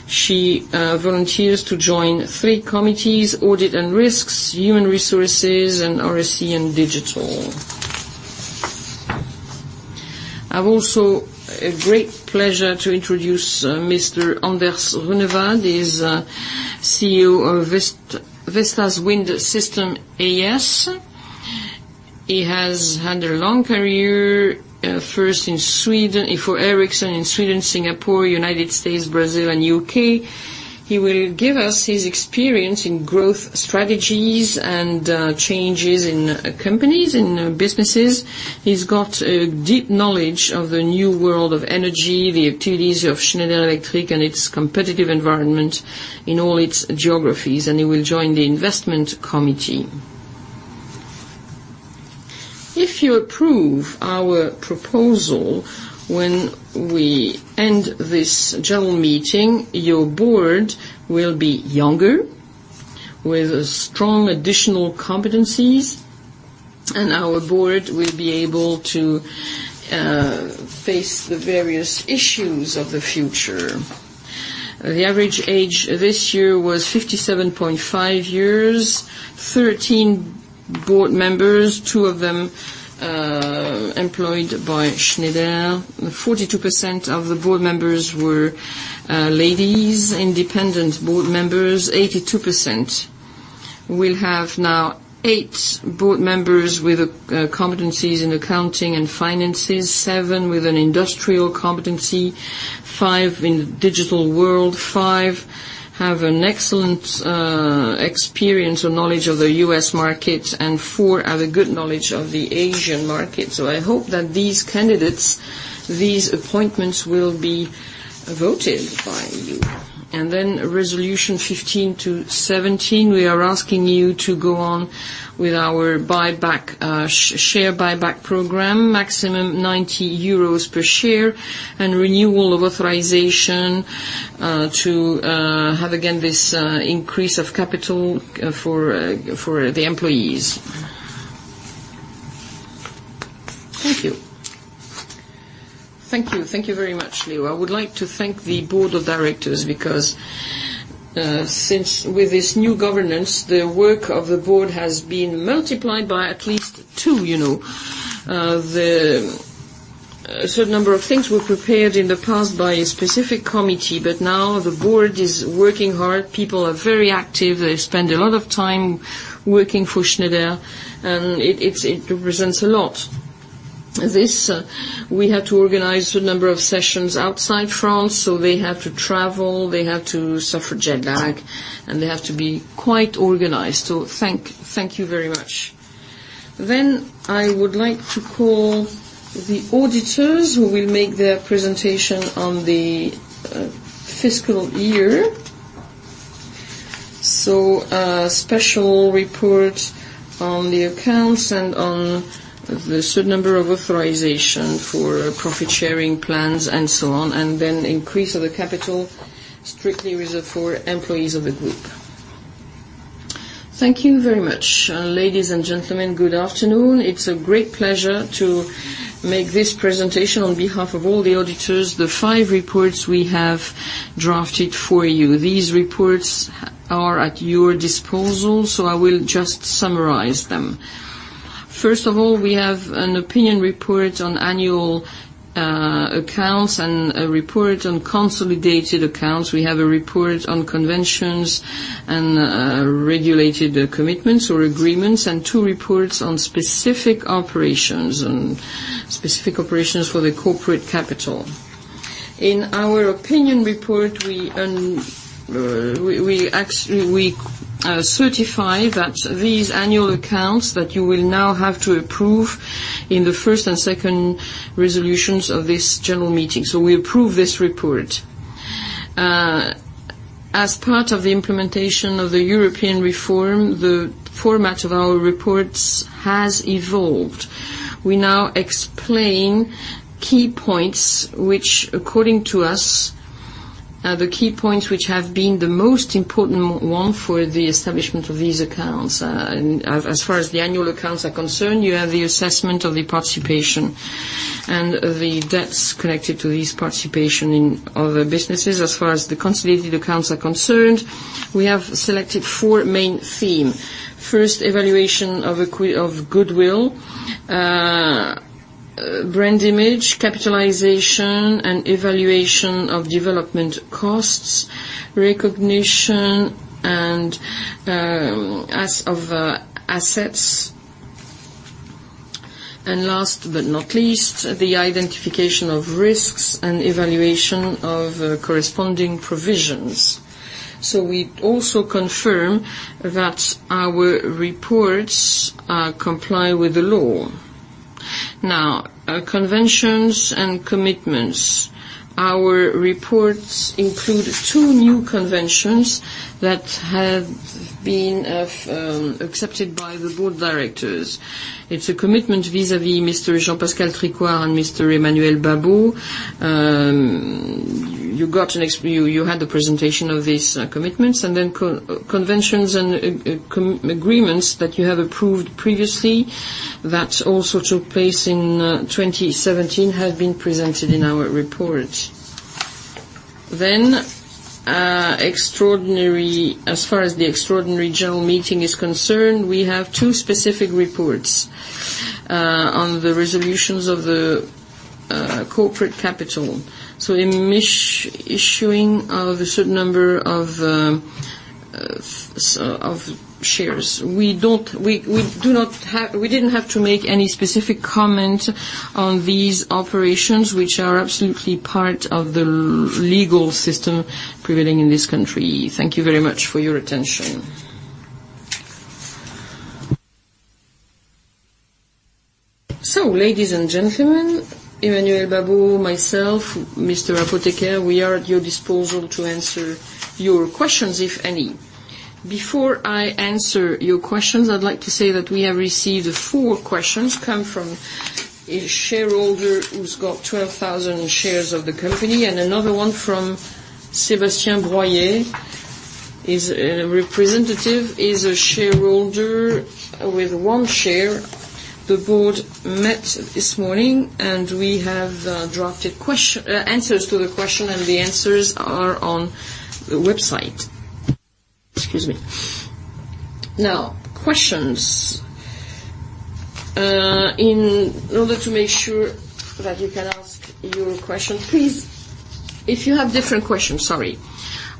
She volunteers to join three committees, Audit and Risks, Human Resources, and RSE and Digital. I've also a great pleasure to introduce Mr. Anders Runevad is CEO of Vestas Wind Systems A/S. He has had a long career, first for Ericsson in Sweden, Singapore, U.S., Brazil and U.K. He will give us his experience in growth strategies and changes in companies, in businesses. He's got a deep knowledge of the new world of energy, the activities of Schneider Electric and its competitive environment in all its geographies. He will join the investment committee. If you approve our proposal when we end this general meeting, your board will be younger, with strong additional competencies. Our board will be able to face the various issues of the future. The average age this year was 57.5 years, 13 board members, two of them employed by Schneider. 42% of the board members were ladies. Independent board members, 82%. We'll have now eight board members with competencies in accounting and finances, seven with an industrial competency, five in the digital world, five have an excellent experience or knowledge of the U.S. market. Four have a good knowledge of the Asian market. I hope that these candidates, these appointments will be voted by you. Resolution 15 to 17, we are asking you to go on with our share buyback program, maximum 90 euros per share. Renewal of authorization to have again, this increase of capital for the employees. Thank you. Thank you. Thank you very much, Léo. I would like to thank the board of directors because since with this new governance, the work of the board has been multiplied by at least two. A certain number of things were prepared in the past by a specific committee. Now the board is working hard. People are very active. They spend a lot of time working for Schneider. It represents a lot. We had to organize a number of sessions outside France, so they have to travel, they have to suffer jet lag, and they have to be quite organized. Thank you very much. I would like to call the auditors who will make their presentation on the fiscal year. A special report on the accounts and on the certain number of authorization for profit-sharing plans and so on, increase of the capital strictly reserved for employees of the group. Thank you very much. Ladies and gentlemen, good afternoon. It's a great pleasure to make this presentation on behalf of all the auditors, the five reports we have drafted for you. These reports are at your disposal, so I will just summarize them. First of all, we have an opinion report on annual accounts and a report on consolidated accounts. We have a report on conventions and regulated commitments or agreements, and two reports on specific operations and specific operations for the corporate capital. In our opinion report, we certify that these annual accounts that you will now have to approve in the first and second resolutions of this general meeting. We approve this report. As part of the implementation of the European reform, the format of our reports has evolved. We now explain key points which according to us are the key points which have been the most important one for the establishment of these accounts. As far as the annual accounts are concerned, you have the assessment of the participation and the debts connected to this participation in other businesses. As far as the consolidated accounts are concerned, we have selected four main theme. First, evaluation of goodwill, brand image, capitalization, and evaluation of development costs, recognition and as of assets. Last but not least, the identification of risks and evaluation of corresponding provisions. We also confirm that our reports comply with the law. Now, conventions and commitments. Our reports include two new conventions that have been accepted by the board of directors. It's a commitment vis-à-vis Mr. Jean-Pascal Tricoire and Mr. Emmanuel Babeau. You had the presentation of these commitments and conventions and agreements that you have approved previously that also took place in 2017 have been presented in our report. As far as the extraordinary general meeting is concerned, we have two specific reports on the resolutions of the corporate capital. In issuing of a certain number of shares. We didn't have to make any specific comment on these operations, which are absolutely part of the legal system prevailing in this country. Thank you very much for your attention. Ladies and gentlemen, Emmanuel Babeau, myself, Mr. Apotheker, we are at your disposal to answer your questions, if any. Before I answer your questions, I'd like to say that we have received four questions, come from a shareholder who's got 12,000 shares of the company, and another one from Sébastien Poyet is a representative, is a shareholder with one share. The board met this morning, and we have drafted answers to the question, and the answers are on the website. Excuse me. Questions. In order to make sure that you can ask your question, please, if you have different questions, sorry,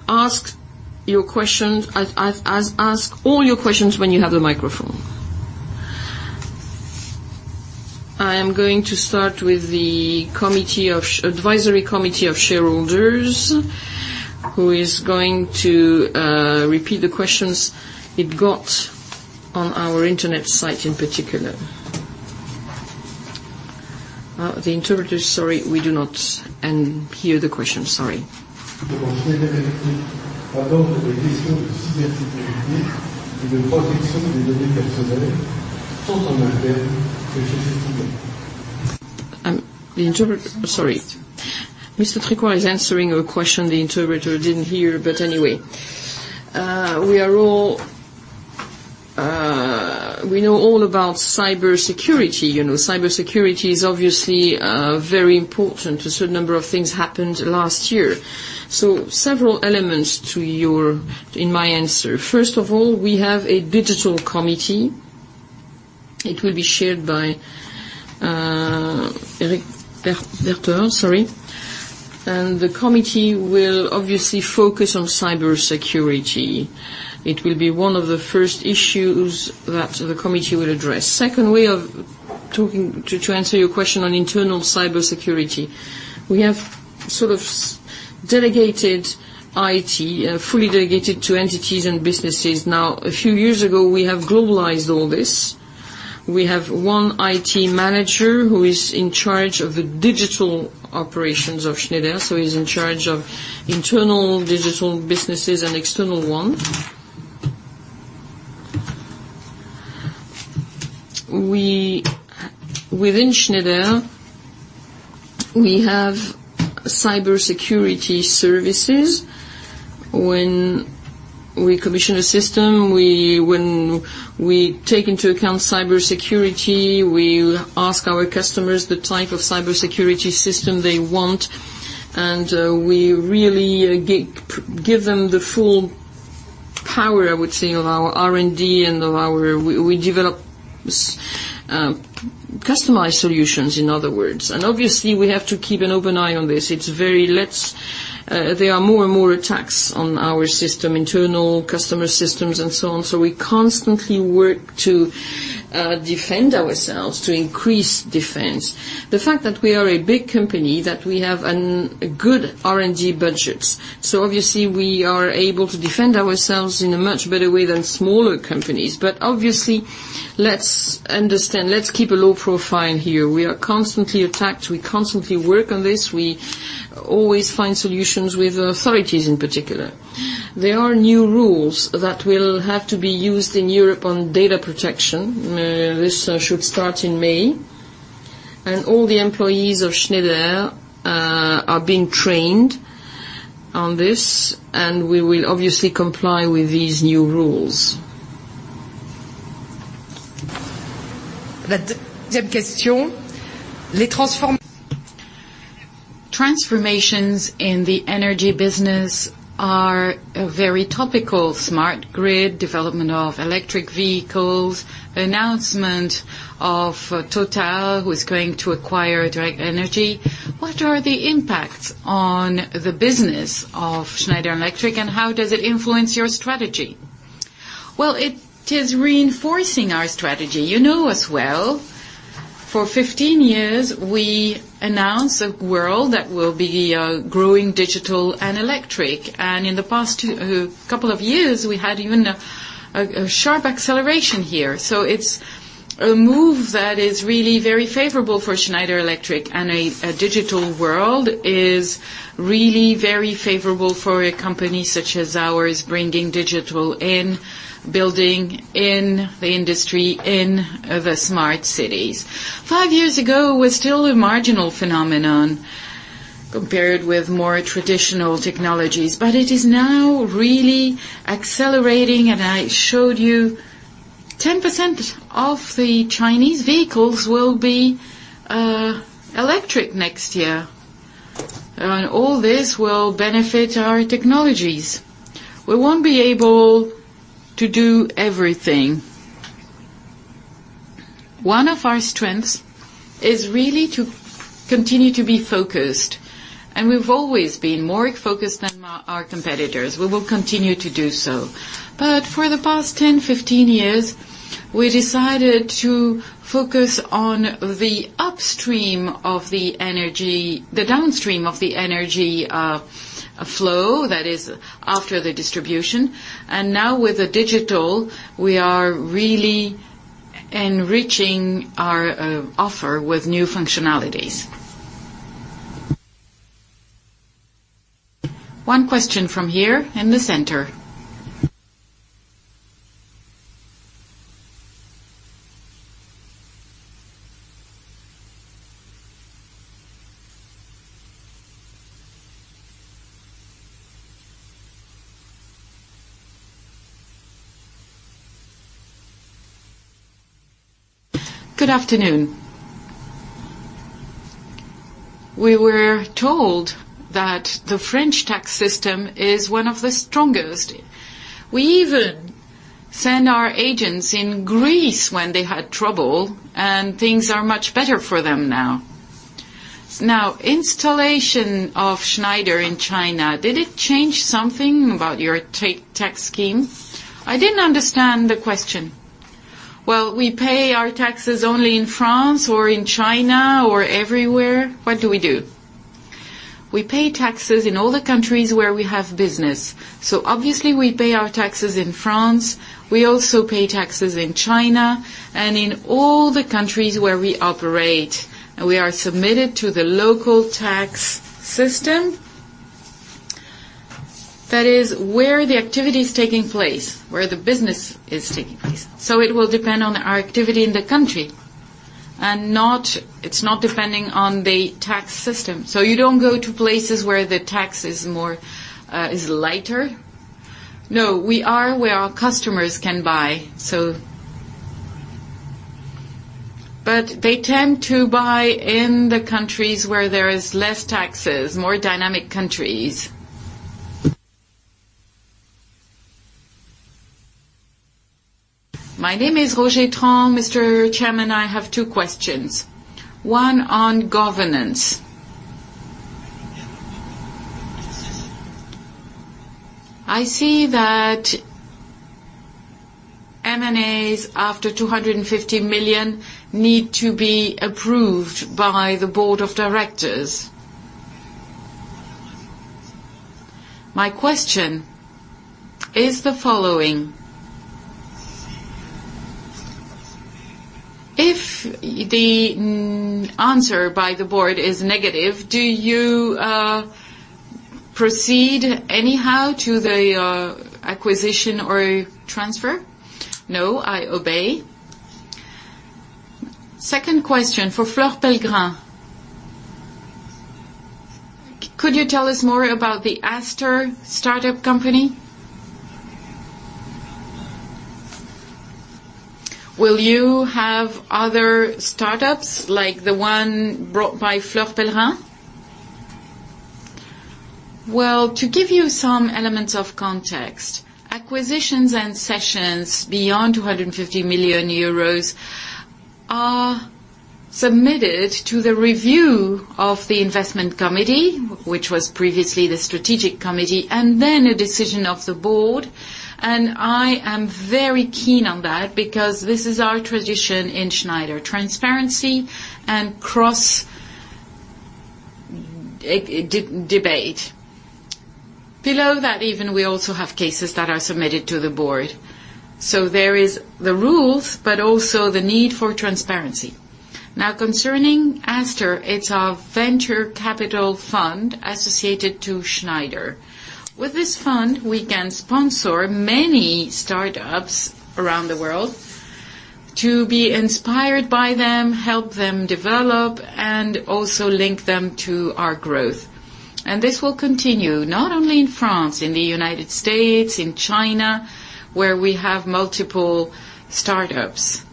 ask all your questions when you have the microphone. I am going to start with the advisory committee of shareholders who is going to repeat the questions it got on our internet site in particular. The interpreter, we do not hear the question. Mr. Tricoire is answering a question the interpreter didn't hear, but anyway. We know all about cybersecurity. Cybersecurity is obviously very important. A certain number of things happened last year. Several elements in my answer. First of all, we have a digital committee. It will be chaired by Fred Kindle. The committee will obviously focus on cybersecurity. It will be one of the first issues that the committee will address. Second, to answer your question on internal cybersecurity, we have delegated IT, fully delegated to entities and businesses. A few years ago, we have globalized all this. We have one IT manager who is in charge of the digital operations of Schneider, so he's in charge of internal digital businesses and external ones. Within Schneider, we have cybersecurity services. When we commission a system, when we take into account cybersecurity, we ask our customers the type of cybersecurity system they want, and we really give them the full power, I would say, of our R&D. We develop customized solutions, in other words. Obviously, we have to keep an open eye on this. There are more and more attacks on our system, internal customer systems and so on. We constantly work to defend ourselves, to increase defense. The fact that we are a big company, that we have good R&D budgets, so obviously, we are able to defend ourselves in a much better way than smaller companies. Obviously, let's understand, let's keep a low profile here. We are constantly attacked. We constantly work on this. We always find solutions with authorities, in particular. There are new rules that will have to be used in Europe on data protection. This should start in May. All the employees of Schneider are being trained on this, and we will obviously comply with these new rules. Transformations in the energy business are very topical. smart grid, development of electric vehicles, the announcement of Total, who is going to acquire Direct Energie. What are the impacts on the business of Schneider Electric, and how does it influence your strategy? Well, it is reinforcing our strategy. You know as well, for 15 years, we announced a world that will be growing digital and electric. In the past couple of years, we had even a sharp acceleration here. It's a move that is really very favorable for Schneider Electric, and a digital world is really very favorable for a company such as ours, bringing digital in building, in the industry, in the smart cities. Five years ago, it was still a marginal phenomenon compared with more traditional technologies, but it is now really accelerating, and I showed you 10% of the Chinese vehicles will be electric next year. All this will benefit our technologies. We won't be able to do everything. One of our strengths is really to continue to be focused, and we've always been more focused than our competitors. We will continue to do so. For the past 10, 15 years, we decided to focus on the downstream of the energy flow, that is after the distribution. Now with the digital, we are really enriching our offer with new functionalities. One question from here in the center. Good afternoon. We were told that the French tax system is one of the strongest. We even send our agents in Greece when they had trouble, and things are much better for them now. Installation of Schneider in China, did it change something about your tax scheme? I didn't understand the question. Well, we pay our taxes only in France or in China or everywhere. What do we do? We pay taxes in all the countries where we have business. Obviously, we pay our taxes in France. We also pay taxes in China and in all the countries where we operate. We are submitted to the local tax system. That is where the activity is taking place, where the business is taking place. It will depend on our activity in the country. It's not depending on the tax system. You don't go to places where the tax is lighter? We are where our customers can buy. They tend to buy in the countries where there is less taxes, more dynamic countries. My name is Roger Tong, Mr. Chairman. I have two questions, one on governance I see that M&As after 250 million need to be approved by the board of directors. My question is the following: if the answer by the board is negative, do you proceed anyhow to the acquisition or transfer? I obey. Second question for Fleur Pellerin. Could you tell us more about the Aster startup company? Will you have other startups like the one brought by Fleur Pellerin? To give you some elements of context, acquisitions and sessions beyond 250 million euros are submitted to the review of the investment committee, which was previously the strategic committee, and then a decision of the board. I am very keen on that because this is our tradition in Schneider, transparency and cross debate. Below that even we also have cases that are submitted to the board. There is the rules, but also the need for transparency. Concerning Astor, it's our venture capital fund associated to Schneider. With this fund, we can sponsor many startups around the world to be inspired by them, help them develop, and also link them to our growth. This will continue not only in France, in the United States, in China, where we have multiple startups.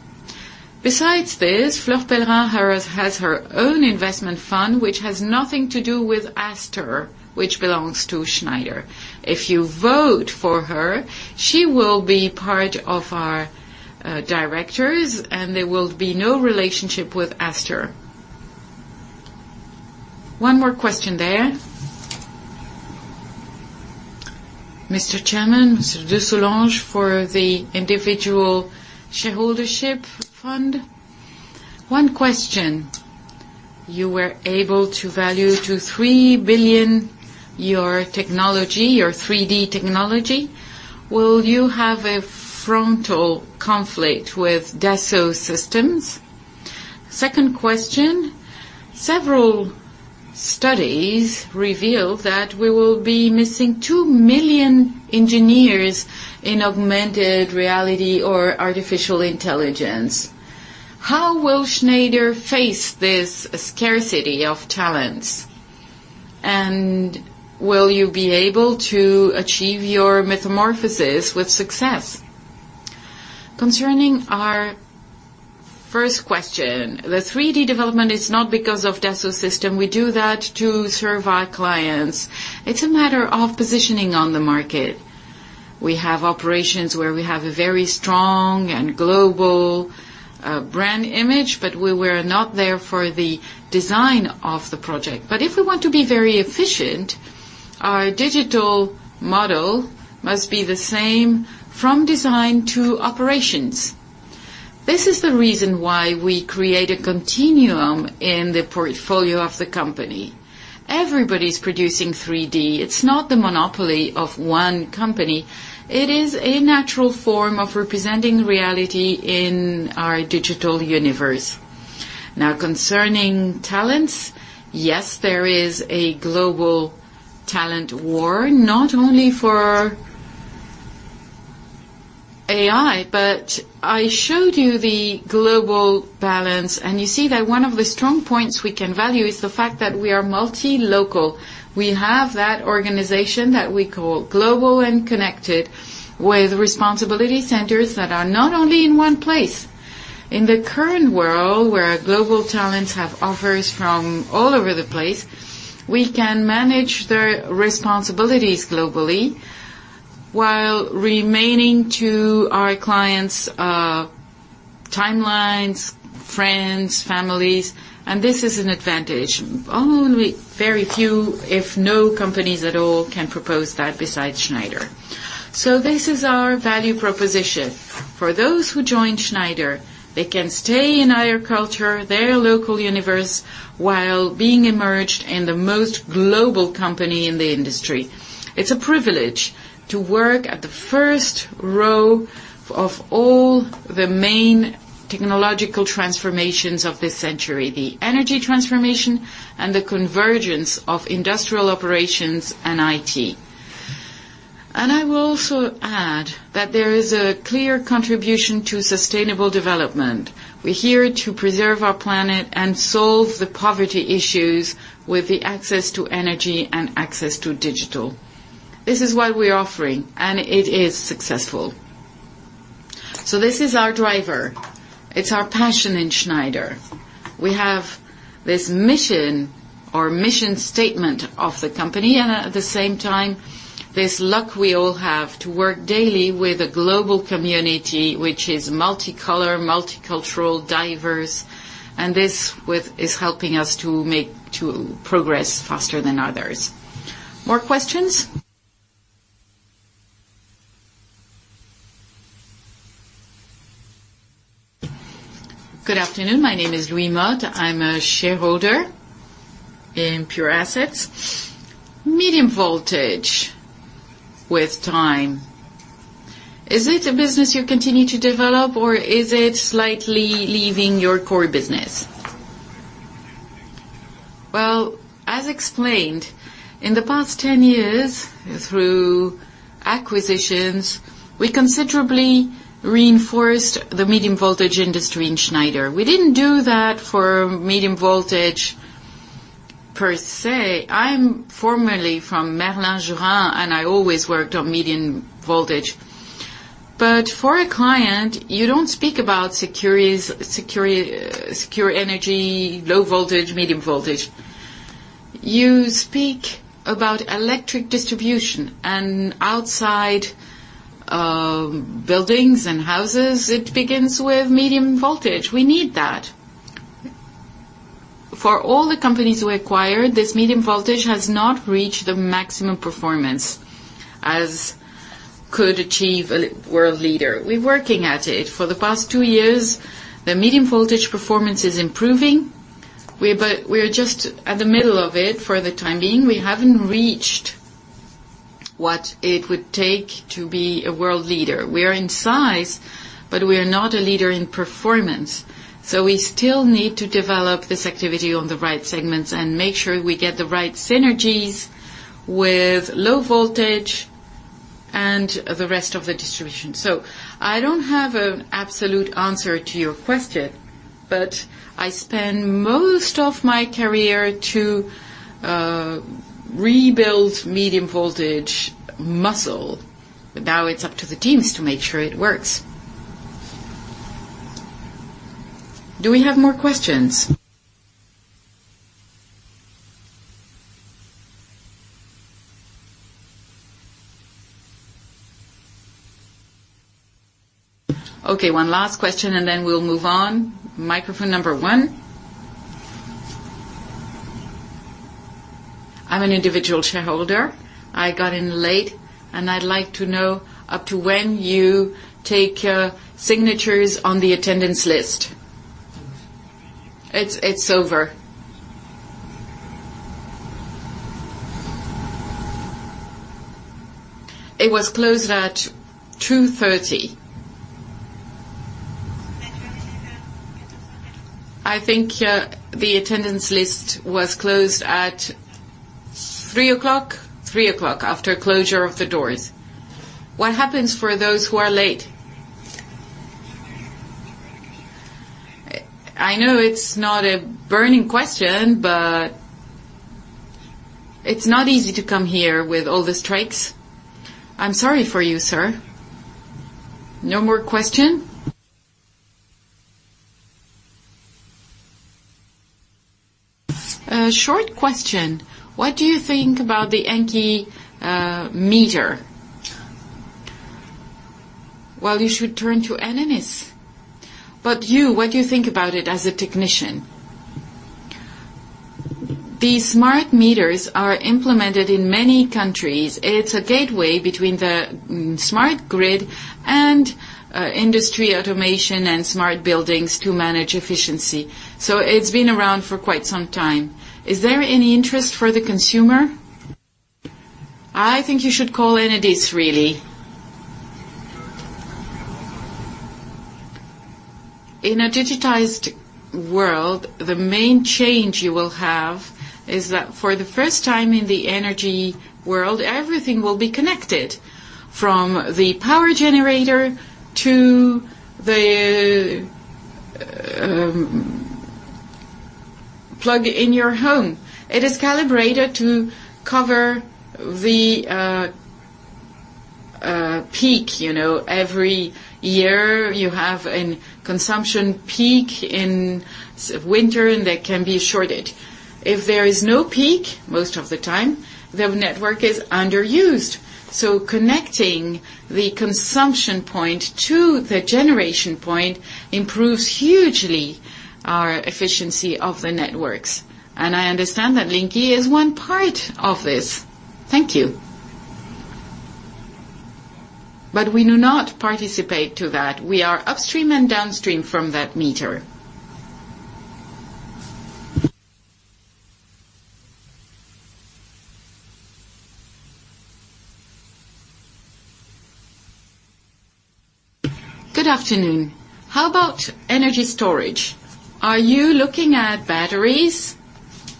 Besides this, Fleur Pellerin has her own investment fund, which has nothing to do with Astor, which belongs to Schneider. If you vote for her, she will be part of our directors, and there will be no relationship with Astor. One more question there. Mr. Chairman, Mr. de Soulanges for the individual shareholdership fund. One question. You were able to value to 3 billion your technology, your 3D technology. Will you have a frontal conflict with Dassault Systèmes? Second question. Several studies reveal that we will be missing 2 million engineers in augmented reality or artificial intelligence. How will Schneider face this scarcity of talents? Will you be able to achieve your metamorphosis with success? Concerning our first question, the 3D development is not because of Dassault Systèmes. We do that to serve our clients. It is a matter of positioning on the market. We have operations where we have a very strong and global brand image, but we were not there for the design of the project. If we want to be very efficient, our digital model must be the same from design to operations. This is the reason why we create a continuum in the portfolio of the company. Everybody is producing 3D. It is not the monopoly of one company. It is a natural form of representing reality in our digital universe. Concerning talents, yes, there is a global talent war, not only for AI, but I showed you the global balance, and you see that one of the strong points we can value is the fact that we are multi-local. We have that organization that we call global and connected with responsibility centers that are not only in one place. In the current world, where global talents have offers from all over the place, we can manage their responsibilities globally while remaining to our clients', timelines, friends, families, this is an advantage. Only very few, if no companies at all, can propose that besides Schneider. This is our value proposition. For those who join Schneider, they can stay in our culture, their local universe, while being emerged in the most global company in the industry. It is a privilege to work at the first row of all the main technological transformations of this century, the energy transformation and the convergence of industrial operations and IT. I will also add that there is a clear contribution to sustainable development. We are here to preserve our planet and solve the poverty issues with the Access to Energy and access to digital. This is what we are offering, and it is successful. This is our driver. It is our passion in Schneider. We have this mission or mission statement of the company, and at the same time, this luck we all have to work daily with a global community, which is multicolor, multicultural, diverse, and this is helping us to progress faster than others. More questions? Good afternoon. My name is Louis Mott. I am a shareholder in Pure Assets. Medium voltage with time, is it a business you continue to develop, or is it slightly leaving your core business? As explained, in the past 10 years, through acquisitions, we considerably reinforced the medium voltage industry in Schneider. We didn't do that for medium voltage per se. I am formerly from Merlin Gerin, and I always worked on medium voltage, but for a client, you don't speak about secure energy, low voltage, medium voltage. You speak about electric distribution, and outside buildings and houses, it begins with medium voltage. We need that. For all the companies we acquired, this medium voltage has not reached the maximum performance as could achieve a world leader. We are working at it. For the past two years, the medium voltage performance is improving, but we're just at the middle of it for the time being. We haven't reached what it would take to be a world leader. We are in size, but we are not a leader in performance. We still need to develop this activity on the right segments and make sure we get the right synergies with low voltage and the rest of the distribution. I don't have an absolute answer to your question, but I spend most of my career to rebuild medium voltage muscle. Now it's up to the teams to make sure it works. Do we have more questions? Okay, one last question, and then we'll move on. Microphone number one. I'm an individual shareholder. I got in late, and I'd like to know up to when you take signatures on the attendance list? It's over. It was closed at 2:30. I think the attendance list was closed at 3:00 o'clock. 3:00 o'clock after closure of the doors. What happens for those who are late? I know it's not a burning question, it's not easy to come here with all the strikes. I'm sorry for you, sir. No more question? A short question. What do you think about the Linky meter? Well, you should turn to Enedis. You, what do you think about it as a technician? These smart meters are implemented in many countries. It's a gateway between the smart grid and industry automation and smart buildings to manage efficiency. It's been around for quite some time. Is there any interest for the consumer? I think you should call Enedis really. In a digitized world, the main change you will have is that for the first time in the energy world, everything will be connected, from the power generator to the plug in your home. It is calibrated to cover the peak. Every year you have a consumption peak in winter, and there can be a shortage. If there is no peak, most of the time, the network is underused. Connecting the consumption point to the generation point improves hugely our efficiency of the networks. And I understand that Linky is one part of this. Thank you. We do not participate to that. We are upstream and downstream from that meter. Good afternoon. How about energy storage? Are you looking at batteries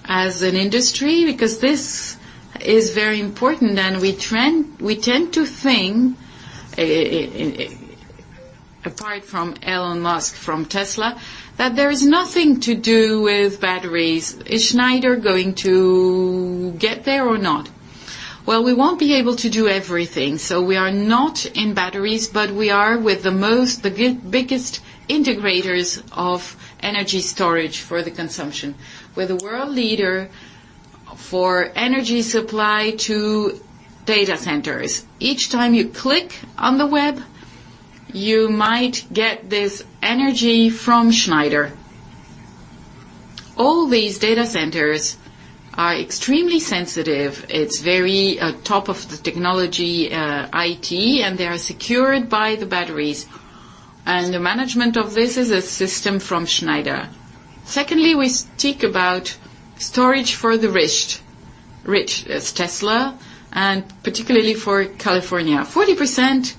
as an industry? Because this is very important, and we tend to think, apart from Elon Musk from Tesla, that there is nothing to do with batteries. Is Schneider going to get there or not? Well, we won't be able to do everything. We are not in batteries, but we are with the biggest integrators of energy storage for the consumption. We're the world leader for energy supply to data centers. Each time you click on the web, you might get this energy from Schneider. All these data centers are extremely sensitive. It's very top of the technology IT, and they are secured by the batteries. And the management of this is a system from Schneider. Secondly, we speak about storage for the rich. Rich as Tesla, and particularly for California. 40%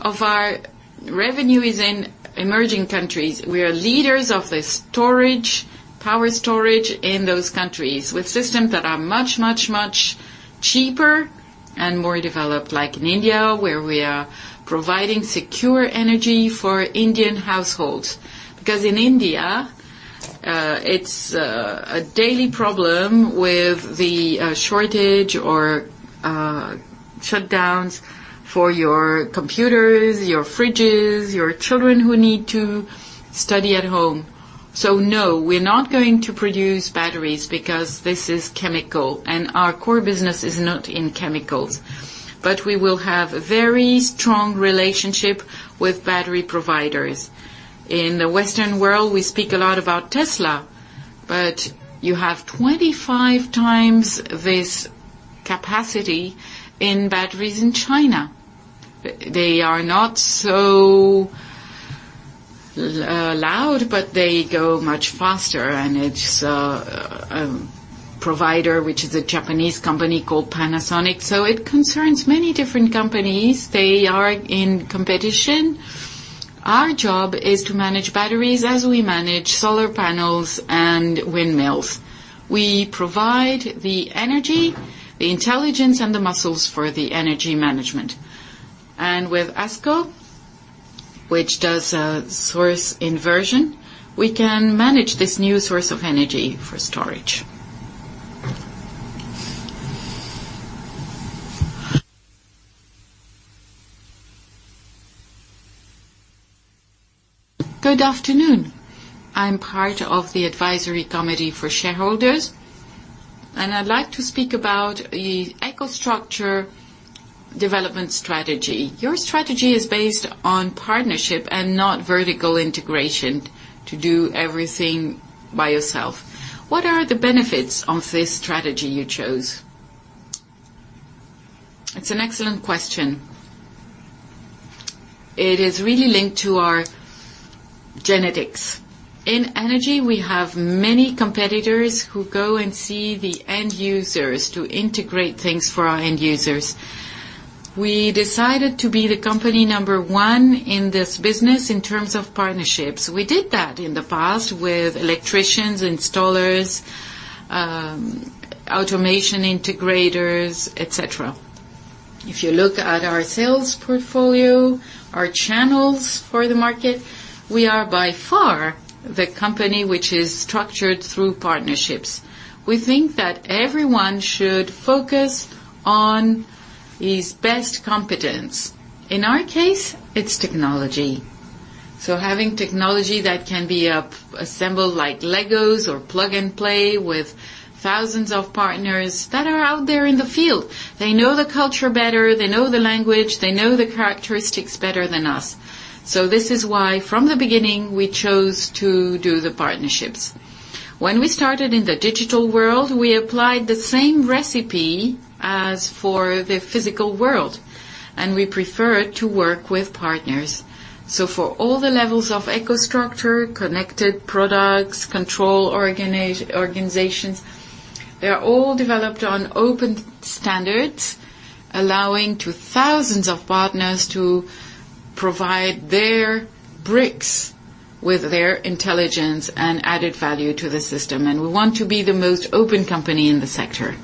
of our revenue is in emerging countries. We are leaders of the power storage in those countries with systems that are much, much, much cheaper and more developed, like in India, where we are providing secure energy for Indian households. In India, it's a daily problem with the shortage or shutdowns for your computers, your fridges, your children who need to study at home. No, we're not going to produce batteries because this is chemical, and our core business is not in chemicals. We will have a very strong relationship with battery providers. In the Western world, we speak a lot about Tesla, but you have 25 times this capacity in batteries in China. They are not so loud, but they go much faster. It's a provider, which is a Japanese company called Panasonic. It concerns many different companies. They are in competition. Our job is to manage batteries as we manage solar panels and windmills. We provide the energy, the intelligence, and the muscles for the energy management. With ASCO, which does source inversion, we can manage this new source of energy for storage. Good afternoon. I'm part of the advisory committee for shareholders, and I'd like to speak about the EcoStruxure development strategy. Your strategy is based on partnership and not vertical integration to do everything by yourself. What are the benefits of this strategy you chose? It's an excellent question. It is really linked to our genetics. In energy, we have many competitors who go and see the end users to integrate things for our end users. We decided to be the company number 1 in this business in terms of partnerships. We did that in the past with electricians, installers, automation integrators, et cetera. If you look at our sales portfolio, our channels for the market, we are by far the company which is structured through partnerships. We think that everyone should focus on his best competence. In our case, it's technology. Having technology that can be assembled like Legos or plug-and-play with thousands of partners that are out there in the field. They know the culture better, they know the language, they know the characteristics better than us. This is why, from the beginning, we chose to do the partnerships. When we started in the digital world, we applied the same recipe as for the physical world, and we preferred to work with partners. For all the levels of EcoStruxure, connected products, control organizations, they are all developed on open standards, allowing thousands of partners to provide their bricks with their intelligence and added value to the system. We want to be the most open company in the sector.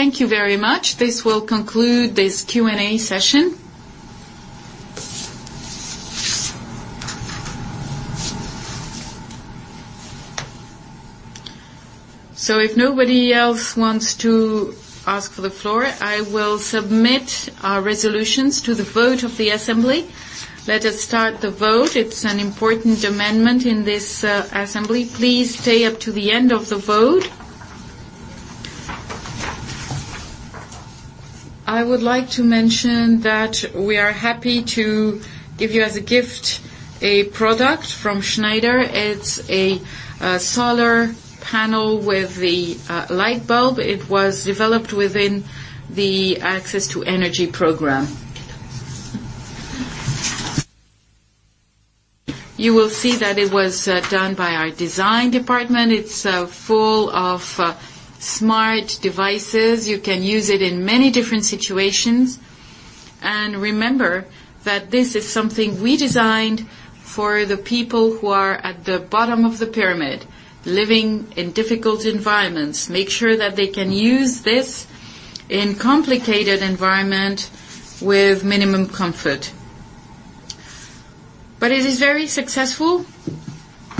Thank you very much. This will conclude this Q&A session. If nobody else wants to ask for the floor, I will submit our resolutions to the vote of the assembly. Let us start the vote. It's an important amendment in this assembly. Please stay up to the end of the vote. I would like to mention that we are happy to give you as a gift, a product from Schneider Electric. It's a solar panel with the light bulb. It was developed within the Access to Energy Program. You will see that it was done by our design department. It's full of smart devices. You can use it in many different situations. Remember that this is something we designed for the people who are at the bottom of the pyramid, living in difficult environments, make sure that they can use this in complicated environment with minimum comfort. It is very successful,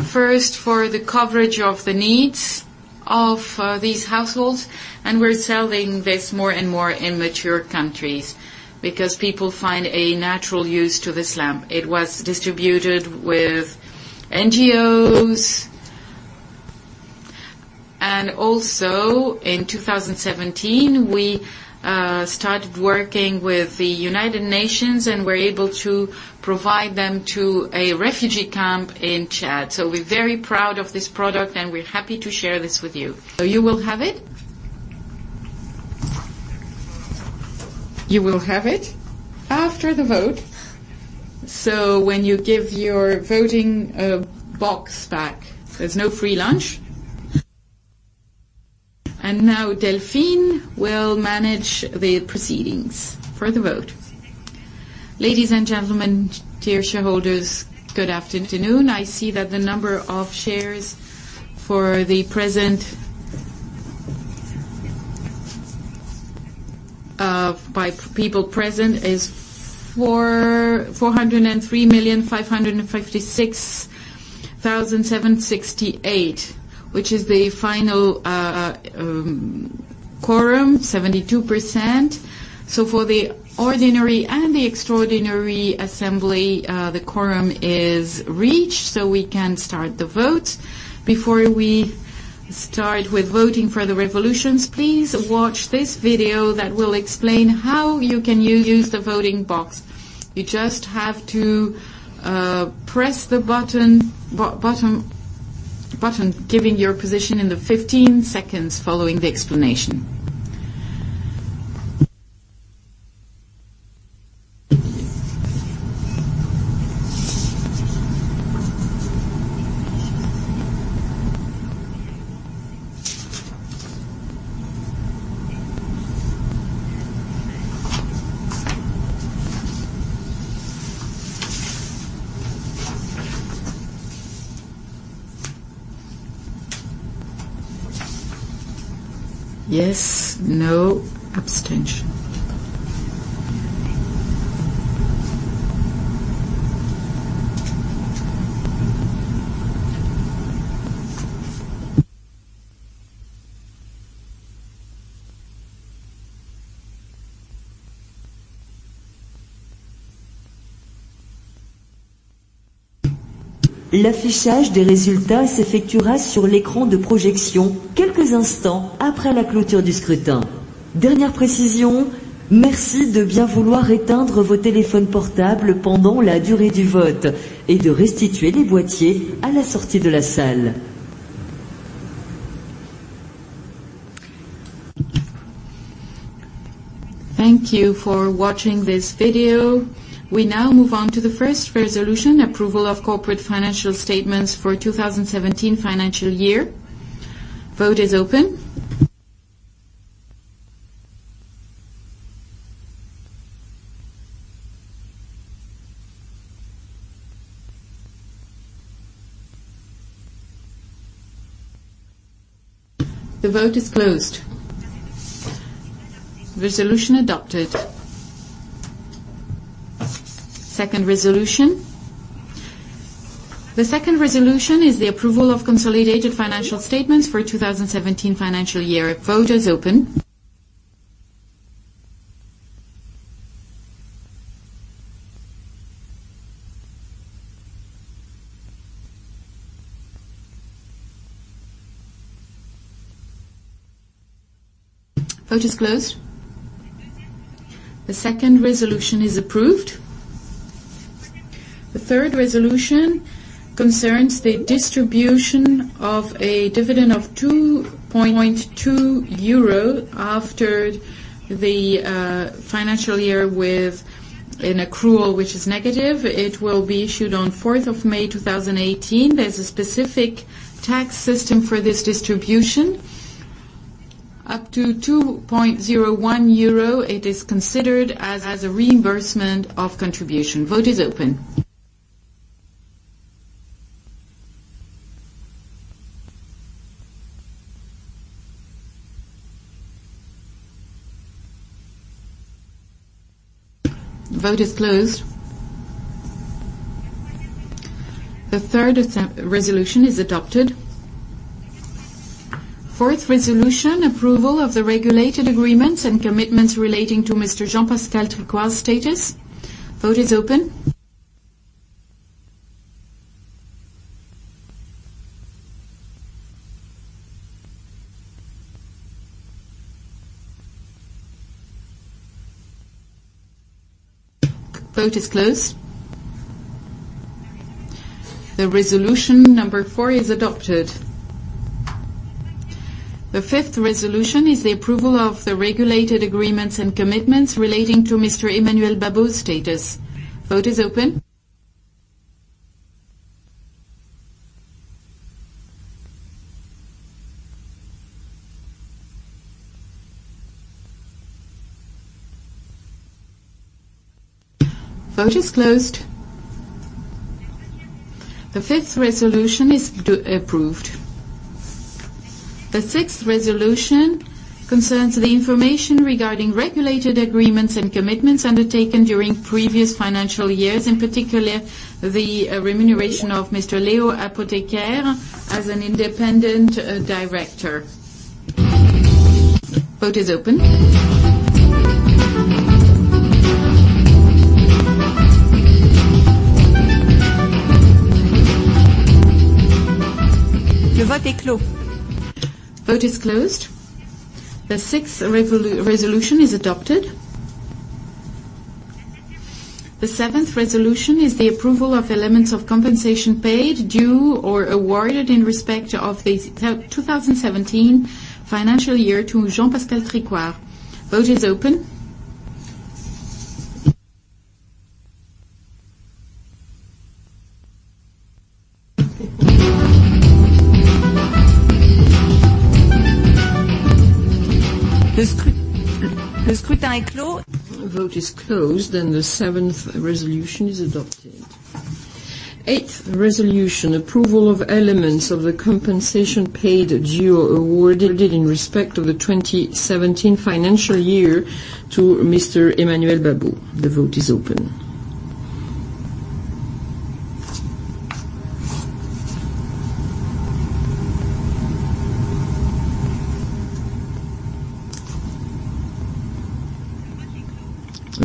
first for the coverage of the needs of these households, and we're selling this more and more in mature countries because people find a natural use to this lamp. It was distributed with NGOs. Also in 2017, we started working with the United Nations and were able to provide them to a refugee camp in Chad. We're very proud of this product, and we're happy to share this with you. You will have it after the vote. When you give your voting box back, there's no free lunch. Now Delphine will manage the proceedings for the vote. Ladies and gentlemen, dear shareholders, good afternoon. I see that the number of shares by people present is 403,556,768, which is the final quorum, 72%. For the ordinary and the extraordinary assembly, the quorum is reached, so we can start the vote. Before we start with voting for the resolutions, please watch this video that will explain how you can use the voting box. You just have to press the button giving your position in the 15 seconds following the explanation. Yes, no, abstention. Thank you for watching this video. We now move on to the first resolution, approval of corporate financial statements for 2017 financial year. Vote is open. The vote is closed. Resolution adopted. Second resolution. The second resolution is the approval of consolidated financial statements for 2017 financial year. Vote is open. Vote is closed. The second resolution is approved. The third resolution concerns the distribution of a dividend of 2.2 euro after the financial year with an accrual which is negative. It will be issued on 4th of May, 2018. There's a specific tax system for this distribution. Up to 2.01 euro, it is considered as a reimbursement of contribution. Vote is open. Vote is closed. The third resolution is adopted. Fourth resolution, approval of the regulated agreements and commitments relating to Mr. Jean-Pascal Tricoire's status. Vote is open. Vote is closed. The resolution number 4 is adopted. The fifth resolution is the approval of the regulated agreements and commitments relating to Mr. Emmanuel Babeau's status. Vote is open. Vote is closed. The fifth resolution is approved. The sixth resolution concerns the information regarding regulated agreements and commitments undertaken during previous financial years, in particular, the remuneration of Mr. Léo Apotheker as an independent director. Vote is open. The vote is closed. The sixth resolution is adopted. The seventh resolution is the approval of elements of compensation paid, due, or awarded in respect of the 2017 financial year to Jean-Pascal Tricoire. Vote is open. Vote